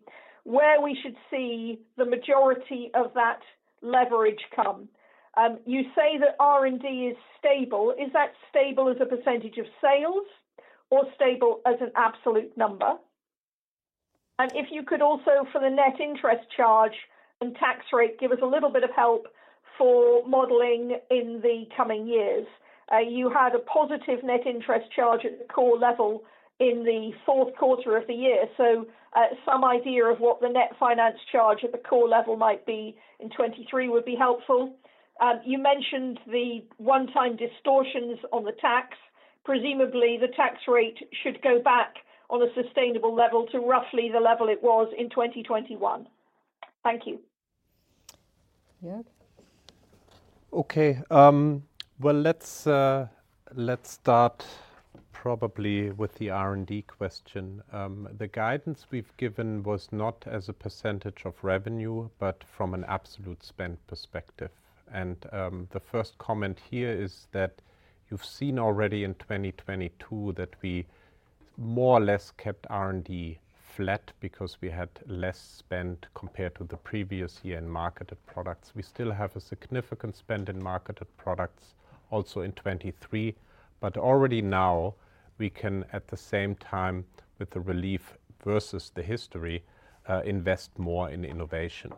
where we should see the majority of that leverage come. You say that R&D is stable. Is that stable as a percentage of sales or stable as an absolute number? If you could also, for the net interest charge and tax rate, give us a little bit of help for modeling in the coming years. You had a positive net interest charge at the core level in the fourth quarter of the year. Some idea of what the net finance charge at the core level might be in 2023 would be helpful. You mentioned the one-time distortions on the tax. Presumably, the tax rate should go back on a sustainable level to roughly the level it was in 2021. Thank you. Jorg? Okay. Well, let's start probably with the R&D question. The guidance we've given was not as a percentage of revenue, but from an absolute spend perspective. The first comment here is that you've seen already in 2022 that we more or less kept R&D flat because we had less spend compared to the previous year in marketed products. We still have a significant spend in marketed products also in 23, but already now we can, at the same time, with the relief versus the history, invest more in innovation.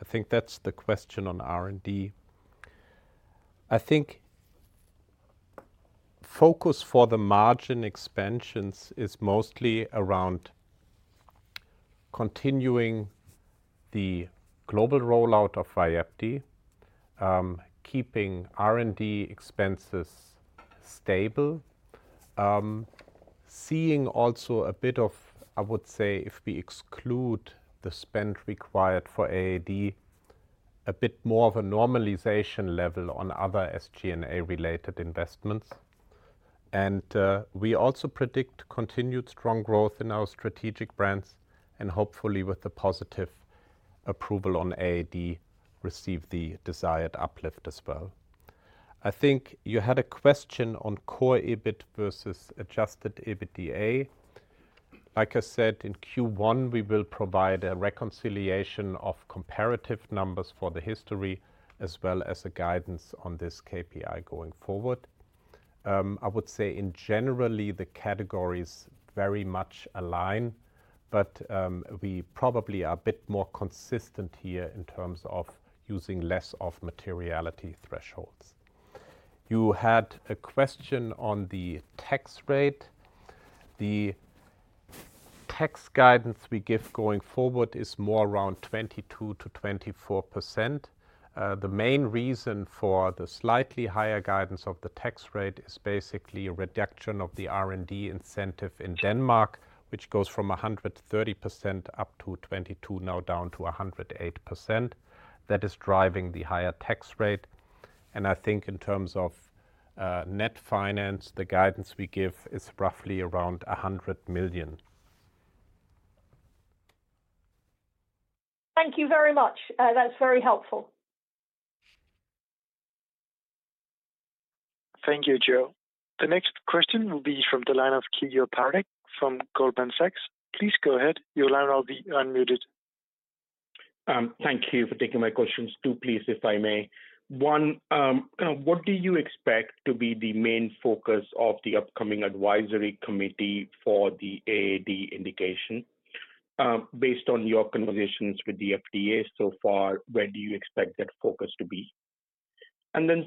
I think that's the question on R&D. I think focus for the margin expansions is mostly around continuing the global rollout of Vyepti, keeping R&D expenses stable. Seeing also a bit of, I would say, if we exclude the spend required for AAD, a bit more of a normalization level on other SG&A-related investments. We also predict continued strong growth in our strategic brands and hopefully with the positive approval on AAD receive the desired uplift as well. I think you had a question on core EBIT versus adjusted EBITDA. Like I said, in Q1 we will provide a reconciliation of comparative numbers for the history as well as a guidance on this KPI going forward. I would say in generally the categories very much align, but we probably are a bit more consistent here in terms of using less of materiality thresholds. You had a question on the tax rate. The tax guidance we give going forward is more around 22%-24%. The main reason for the slightly higher guidance of the tax rate is basically a reduction of the R&D incentive in Denmark, which goes from 100 to 30% up to 22%, now down to 108%. That is driving the higher tax rate. I think in terms of net finance, the guidance we give is roughly around 100 million. Thank you very much. That's very helpful. Thank you, Jo. The next question will be from the line of Keyur Parekh from Goldman Sachs. Please go ahead. Your line will be unmuted. Thank you for taking my questions too, please, if I may. One, what do you expect to be the main focus of the upcoming advisory committee for the AAD indication? Based on your conversations with the FDA so far, where do you expect that focus to be?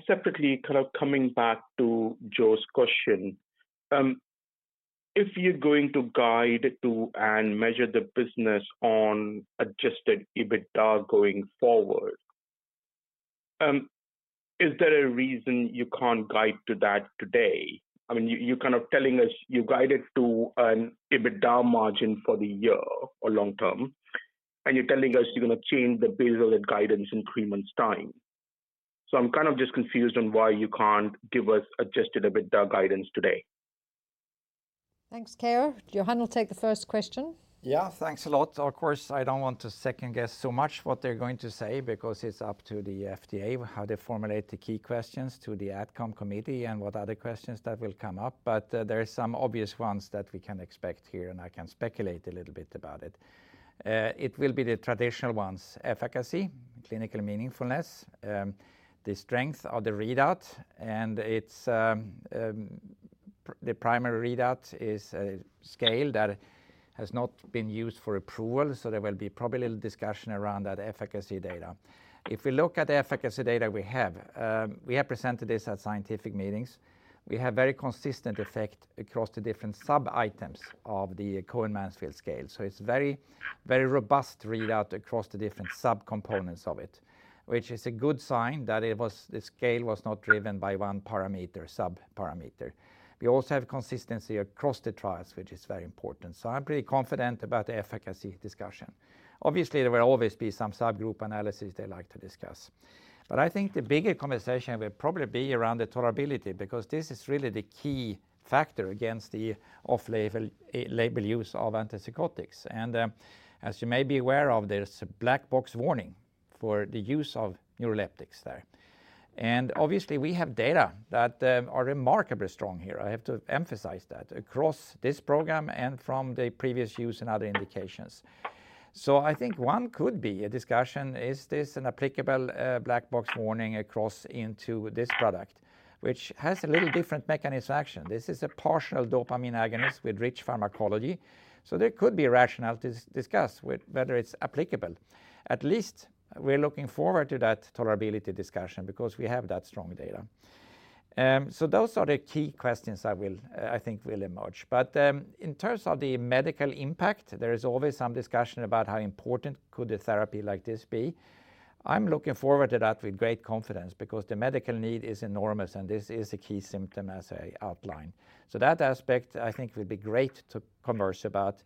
Separately, kind of coming back to Jo's question, if you're going to guide to and measure the business on adjusted EBITDA going forward, is there a reason you can't guide to that today? I mean, you're kind of telling us you guided to an EBITDA margin for the year or long term, and you're telling us you're going to change the baseline guidance in three months' time. I'm kind of just confused on why you can't give us adjusted EBITDA guidance today. Thanks, Keer. Johan will take the first question. Yeah, thanks a lot. Of course, I don't want to second-guess so much what they're going to say because it's up to the FDA, how they formulate the key questions to the outcome committee and what other questions that will come up. There are some obvious ones that we can expect here, and I can speculate a little bit about it. It will be the traditional ones, efficacy, clinical meaningfulness, the strength of the readout, and it's, the primary readout is a scale that has not been used for approval. There will be probably a little discussion around that efficacy data. If we look at the efficacy data we have, we have presented this at scientific meetings. We have very consistent effect across the different sub-items of the Cohen-Mansfield scale. It's very, very robust readout across the different subcomponents of it, which is a good sign that the scale was not driven by one parameter, sub-parameter. We also have consistency across the trials, which is very important. I'm pretty confident about the efficacy discussion. Obviously, there will always be some subgroup analysis they like to discuss. I think the bigger conversation will probably be around the tolerability, because this is really the key factor against the off-label label use of antipsychotics. As you may be aware of, there's a black box warning for the use of neuroleptics there. Obviously, we have data that are remarkably strong here. I have to emphasize that across this program and from the previous use and other indications. I think one could be a discussion, is this an applicable black box warning across into this product, which has a little different mechanism action. This is a partial dopamine agonist with rich pharmacology. There could be a rationale to discuss with whether it's applicable. At least we're looking forward to that tolerability discussion because we have that strong data. Those are the key questions I think will emerge. In terms of the medical impact, there is always some discussion about how important could a therapy like this be. I'm looking forward to that with great confidence because the medical need is enormous, and this is a key symptom as I outlined. That aspect, I think, will be great to converse about.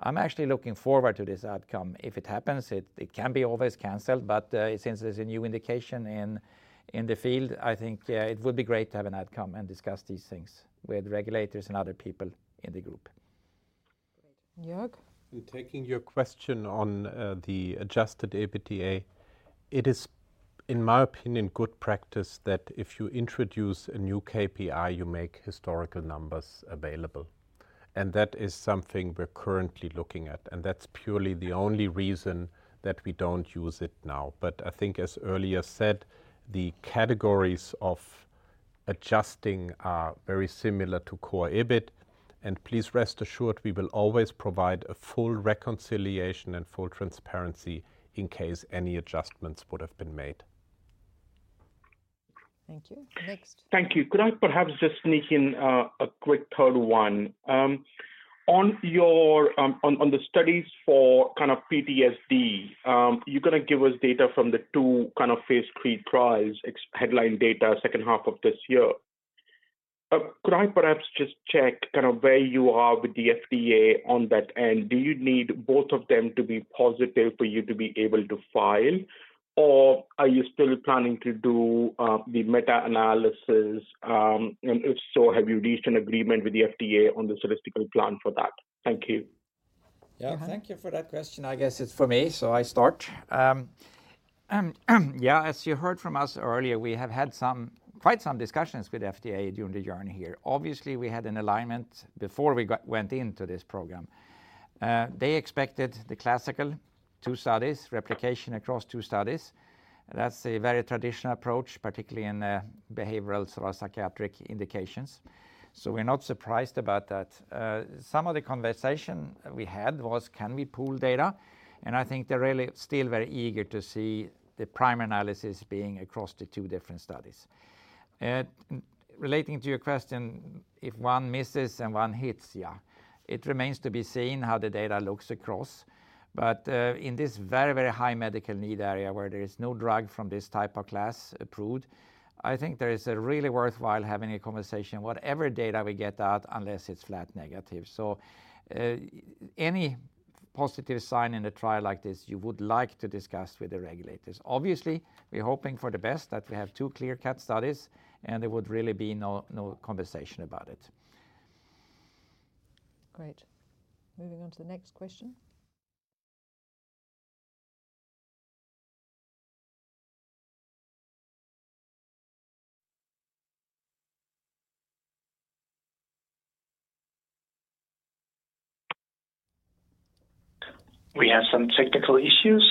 I'm actually looking forward to this outcome. If it happens, it can be always canceled. Since there's a new indication in the field, I think, yeah, it would be great to have an outcome and discuss these things with regulators and other people in the group. Joerg. Taking your question on, the adjusted EBITDA, it is, in my opinion, good practice that if you introduce a new KPI, you make historical numbers available. That is something we're currently looking at, and that's purely the only reason that we don't use it now. I think as earlier said, the categories of adjusting are very similar to core EBIT. Please rest assured, we will always provide a full reconciliation and full transparency in case any adjustments would have been made. Thank you. Next. Thank you. Could I perhaps just sneak in a quick third one? On the studies for kind of PTSD, you're going to give us data from the 2 kind of phase III trials, headline data, second half of this year. Could I perhaps just check kind of where you are with the FDA on that end? Do you need both of them to be positive for you to be able to file, or are you still planning to do the meta-analysis? If so, have you reached an agreement with the FDA on the statistical plan for that? Thank you. Yeah, thank you for that question. I guess it's for me, so I start. Yeah, as you heard from us earlier, we have had some, quite some discussions with FDA during the journey here. Obviously, we had an alignment before we went into this program. They expected the classical two studies, replication across two studies. That's a very traditional approach, particularly in the behavioral sort of psychiatric indications. We're not surprised about that. Some of the conversation we had was, can we pool data? I think they're really still very eager to see the prime analysis being across the two different studies. Relating to your question, if one misses and one hits, yeah. It remains to be seen how the data looks across. In this very, very high medical need area where there is no drug from this type of class approved, I think there is a really worthwhile having a conversation, whatever data we get out, unless it's flat negative. Any positive sign in a trial like this, you would like to discuss with the regulators. Obviously, we're hoping for the best, that we have two clear cut studies, and there would really be no conversation about it. Great. Moving on to the next question. We have some technical issues.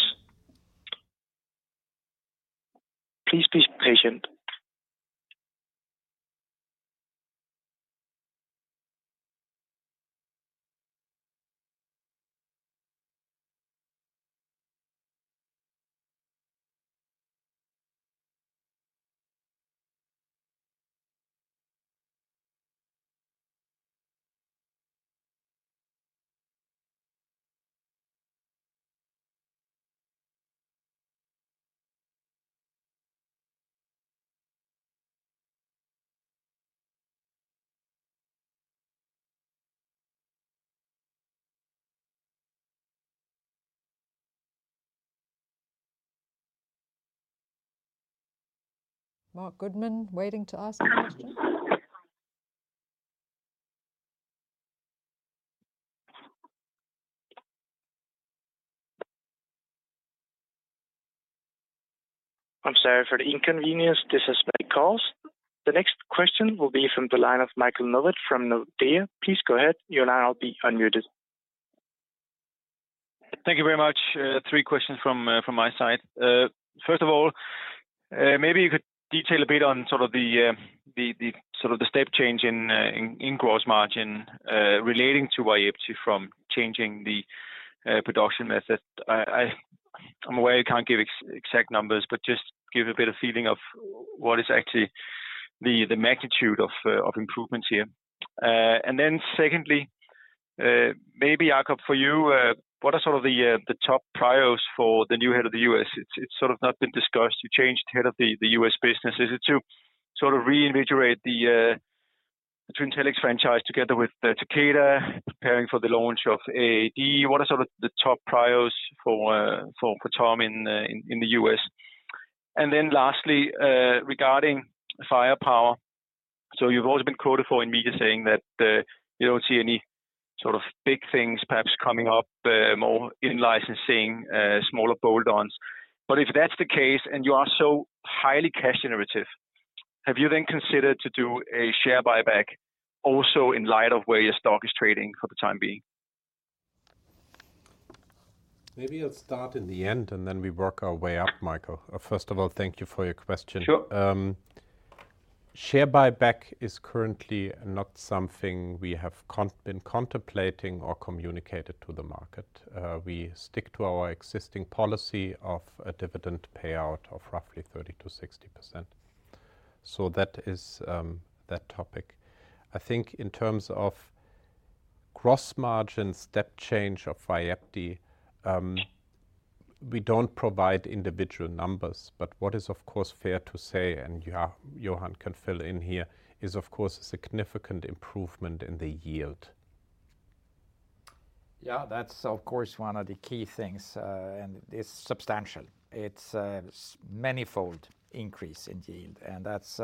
Please be patient. Mark Goodman waiting to ask a question. I'm sorry for the inconvenience. This is by calls. The next question will be from the line of Michael Novod from Nordea. Please go ahead. You'll now be unmuted. Thank you very much. Three questions from my side. First of all, maybe you could detail a bit on sort of the, the sort of the step change in gross margin relating to Vyepti from changing the production method. I'm aware you can't give exact numbers, but just give a bit of feeling of what is actually the magnitude of improvements here. Secondly, maybe Jacob for you, what are sort of the top prios for the new head of the U.S.? It's sort of not been discussed. You changed head of the U.S. business. Is it to sort of reinvigorate the Trintellix franchise together with Takeda preparing for the launch of AAD? What are sort of the top prios for Tom in the U.S.? Regarding Firepower. You've always been quoted for in media saying that you don't see any sort of big things perhaps coming up, more in licensing, smaller bolt-ons. If that's the case and you are so highly cash generative, have you then considered to do a share buyback also in light of where your stock is trading for the time being? Maybe I'll start in the end, and then we work our way up, Michael. First of all, thank you for your question. Sure. Share buyback is currently not something we have been contemplating or communicated to the market. We stick to our existing policy of a dividend payout of roughly 30% to 60%. That is that topic. I think in terms of cross-margin step change of Vyepti, we don't provide individual numbers. What is of course fair to say, and Johan can fill in here, is of course significant improvement in the yield. Yeah, that's of course one of the key things, and it's substantial. It's a manifold increase in yield, that's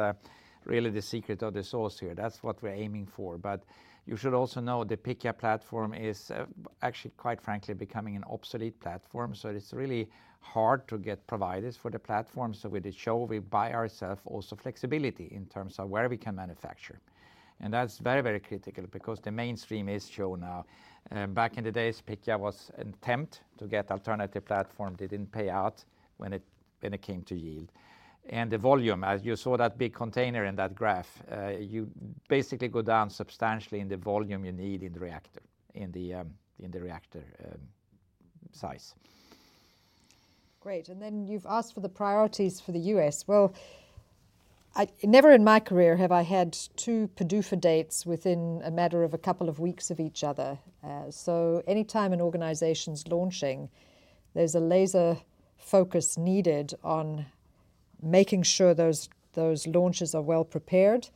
really the secret or the source here. That's what we're aiming for. You should also know the Pichia platform is actually, quite frankly, becoming an obsolete platform. It's really hard to get providers for the platform. With the CHO, we buy ourself also flexibility in terms of where we can manufacture. That's very, very critical because the mainstream is CHO now. Back in the days, Pichia was an attempt to get alternative platform. They didn't pay out when it came to yield. The volume, as you saw that big container in that graph, you basically go down substantially in the volume you need in the reactor size. Great. Then you've asked for the priorities for the U.S. Well, never in my career have I had 2 PDUFA dates within a matter of a couple of weeks of each other. Anytime an organization's launching, there's a laser focus needed on making sure those launches are well prepared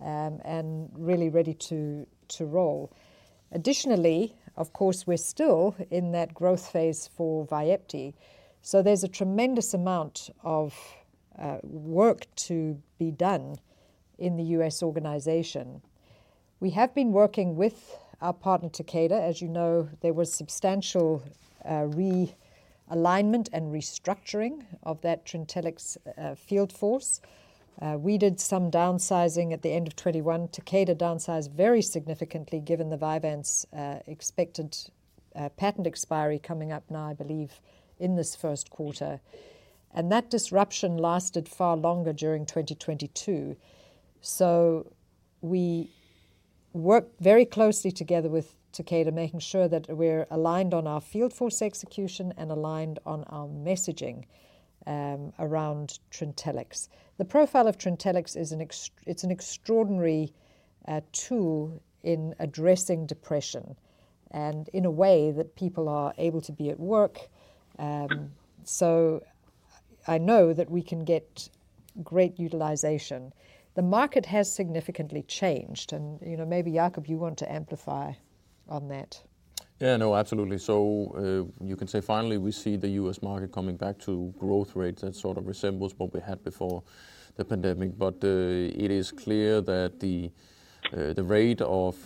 and really ready to roll. Additionally, of course, we're still in that growth phase for Vyepti. There's a tremendous amount of work to be done in the U.S. organization. We have been working with our partner, Takeda. As you know, there was substantial realignment and restructuring of that Trintellix field force. We did some downsizing at the end of 2021. Takeda downsized very significantly given the Vyvanse expected patent expiry coming up now, I believe, in this first quarter. That disruption lasted far longer during 2022. We worked very closely together with Takeda, making sure that we're aligned on our field force execution and aligned on our messaging around Trintellix. The profile of Trintellix is an extraordinary tool in addressing depression, and in a way that people are able to be at work. I know that we can get great utilization. The market has significantly changed, you know, maybe Jacob, you want to amplify on that. Yeah, no, absolutely. You can say finally we see the U.S. market coming back to growth rates that sort of resembles what we had before the pandemic. It is clear that the rate of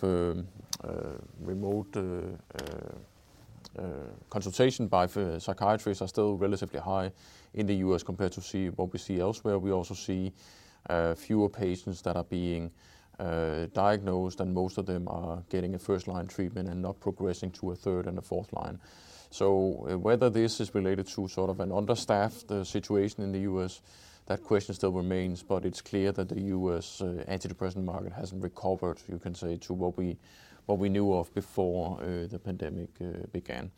remote consultation by psychiatrists are still relatively high in the U.S. compared to see what we see elsewhere. We also see fewer patients that are being diagnosed, and most of them are getting a first-line treatment and not progressing to a third and a fourth line. Whether this is related to sort of an understaffed situation in the U.S., that question still remains. It's clear that the U.S. antidepressant market hasn't recovered, you can say, to what we, what we knew of before the pandemic began,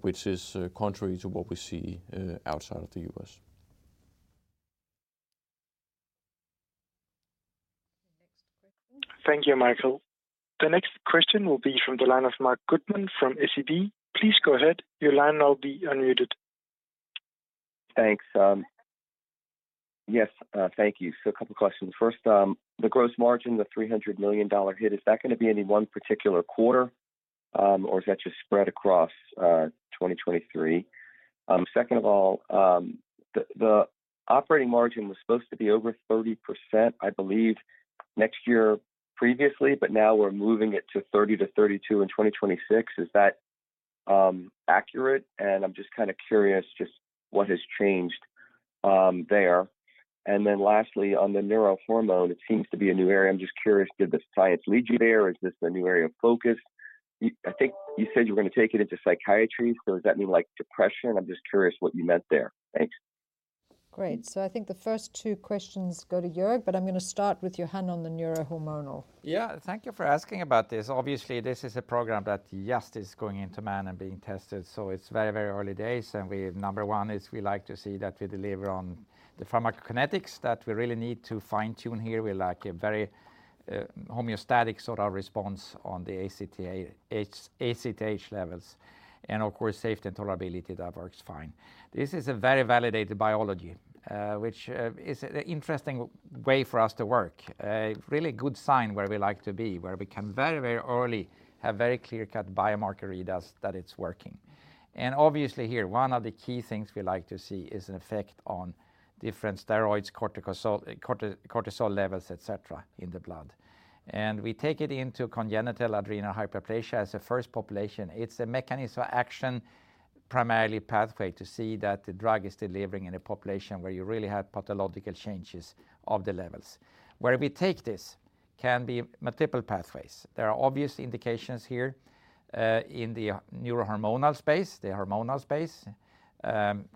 which is contrary to what we see outside of the U.S. The next question. Thank you, Michael. The next question will be from the line of Mark Goodman from SEB. Please go ahead. Your line will now be unmuted. Thanks. Yes, thank you. A couple questions. First, the gross margin, the $300 million hit, is that going to be any one particular quarter, or is that just spread across 2023? Second of all, the operating margin was supposed to be over 30%, I believe, next year previously, but now we're moving it to 30%-32% in 2026. Is that accurate? I'm just kinda curious just what has changed there. Lastly, on the neurohormone, it seems to be a new area. I'm just curious, did the science lead you there? Is this a new area of focus? I think you said you were gonna take it into psychiatry, does that mean like depression? I'm just curious what you meant there. Thanks. Great. I think the first two questions go to Joerg, but I'm gonna start with Johan on the neurohormonal. Yeah. Thank you for asking about this. Obviously, this is a program that just is going into phase I and being tested, so it's very, very early days. Number one is we like to see that we deliver on the pharmacokinetics that we really need to fine-tune here. We like a very homeostatic sort of response on the ACTH levels. Of course, safety and tolerability, that works fine. This is a very validated biology which is an interesting way for us to work. A really good sign where we like to be, where we can very, very early have very clear-cut biomarker readers that it's working. Obviously here, one of the key things we like to see is an effect on different steroids, cortisol levels, et cetera, in the blood. We take it into congenital adrenal hyperplasia as a first population. It's a mechanism action primarily pathway to see that the drug is delivering in a population where you really have pathological changes of the levels. Where we take this can be multiple pathways. There are obvious indications here, in the neurohormonal space, the hormonal space.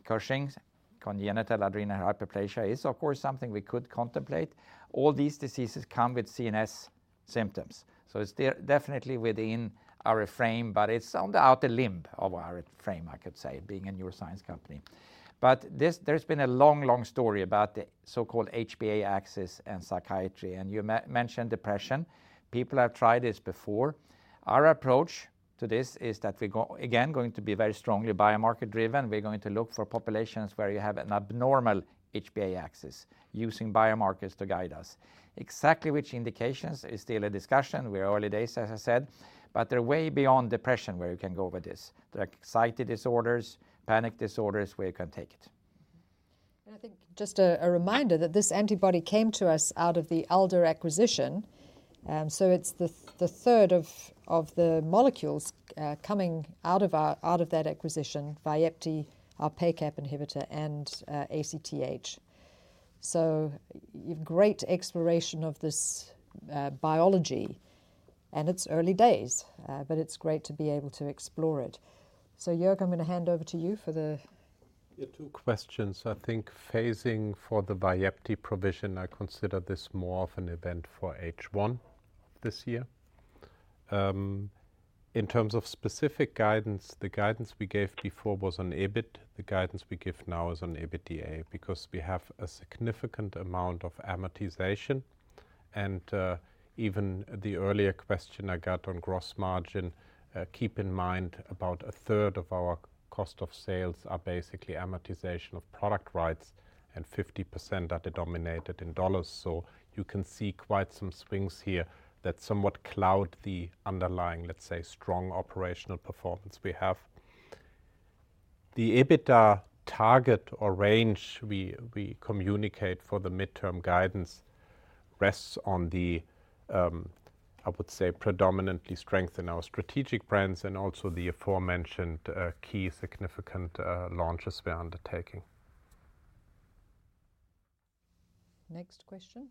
Cushing's congenital adrenal hyperplasia is of course something we could contemplate. All these diseases come with CNS symptoms, so it's there definitely within our frame, but it's on the outer limb of our frame, I could say, being a neuroscience company. There's been a long, long story about the so-called HPA axis and psychiatry, and you mentioned depression. People have tried this before. Our approach to this is that we go, again, going to be very strongly biomarker driven. We're going to look for populations where you have an abnormal HPA axis using biomarkers to guide us. Exactly which indications is still a discussion. We're early days, as I said, but they're way beyond depression where you can go with this. There are anxiety disorders, panic disorders where you can take it. I think just a reminder that this antibody came to us out of the Alder acquisition, so it's the third of the molecules coming out of that acquisition, Vyepti, our PACAP inhibitor, and ACTH. Great exploration of this biology, and it's early days, but it's great to be able to explore it. Joerg, I'm gonna hand over to you for the. Yeah, two questions. I think phasing for the Vyepti provision, I consider this more of an event for H1 this year. In terms of specific guidance, the guidance we gave before was on EBIT. The guidance we give now is on EBITDA because we have a significant amount of amortization. Even the earlier question I got on gross margin, keep in mind about a third of our cost of sales are basically amortization of product rights and 50% are denominated in dollars. You can see quite some swings here that somewhat cloud the underlying, let's say, strong operational performance we have. The EBITDA target or range we communicate for the midterm guidance rests on the, I would say predominantly strength in our strategic brands and also the aforementioned key significant launches we are undertaking. Next question. Question.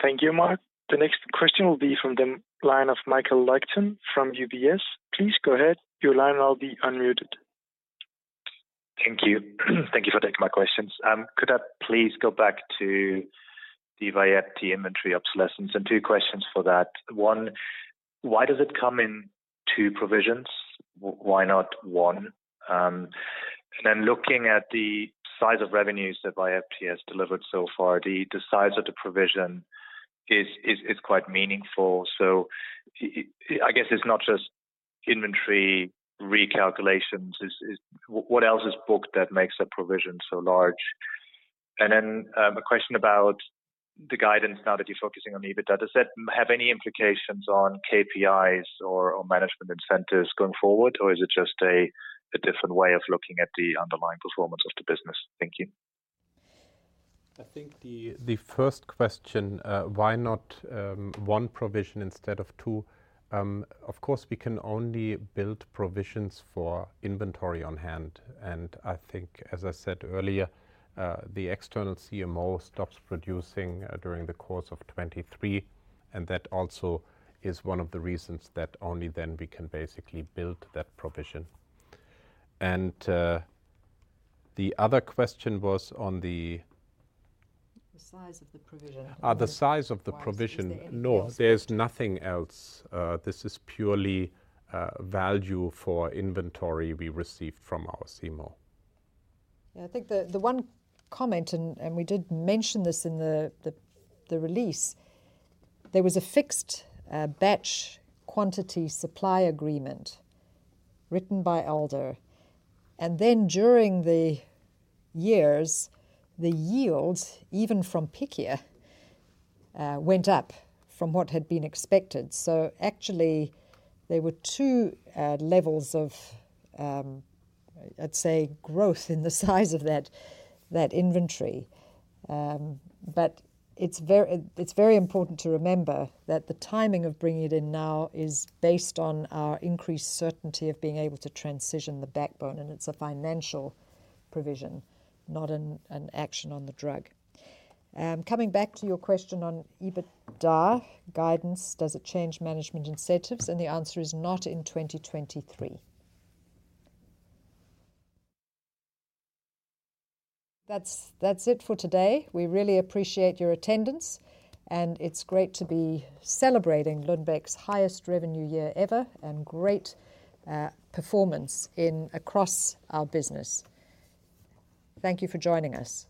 Thank you, Mark. The next question will be from the line of Michael Leuchten from UBS. Please go ahead. Your line will now be unmuted. Thank you. Thank you for taking my questions. Could I please go back to the Vyepti inventory obsolescence? Two questions for that. One, why does it come in two provisions? Why not one? Looking at the size of revenues that Vyepti has delivered so far, the size of the provision is quite meaningful. I guess it's not just inventory recalculations. What else is booked that makes that provision so large? A question about the guidance now that you're focusing on EBITDA. Does that have any implications on KPIs or management incentives going forward, or is it just a different way of looking at the underlying performance of the business? Thank you. I think the first question, why not one provision instead of two, of course, we can only build provisions for inventory on hand, and I think, as I said earlier, the external CMO stops producing during the course of 2023, and that also is one of the reasons that only then we can basically build that provision. The other question was on the. The size of the provision. The size of the provision. Is there anything else? No, there's nothing else. This is purely value for inventory we received from our CMO. Yeah, I think the one comment, and we did mention this in the release, there was a fixed batch quantity supply agreement written by Alder, and then during the years, the yield, even from Pichia, went up from what had been expected. Actually, there were two levels of, I'd say growth in the size of that inventory. It's very important to remember that the timing of bringing it in now is based on our increased certainty of being able to transition the backbone, and it's a financial provision, not an action on the drug. Coming back to your question on EBITDA guidance, does it change management incentives? The answer is not in 2023. That's it for today. We really appreciate your attendance. It's great to be celebrating Lundbeck's highest revenue year ever and great performance across our business. Thank you for joining us.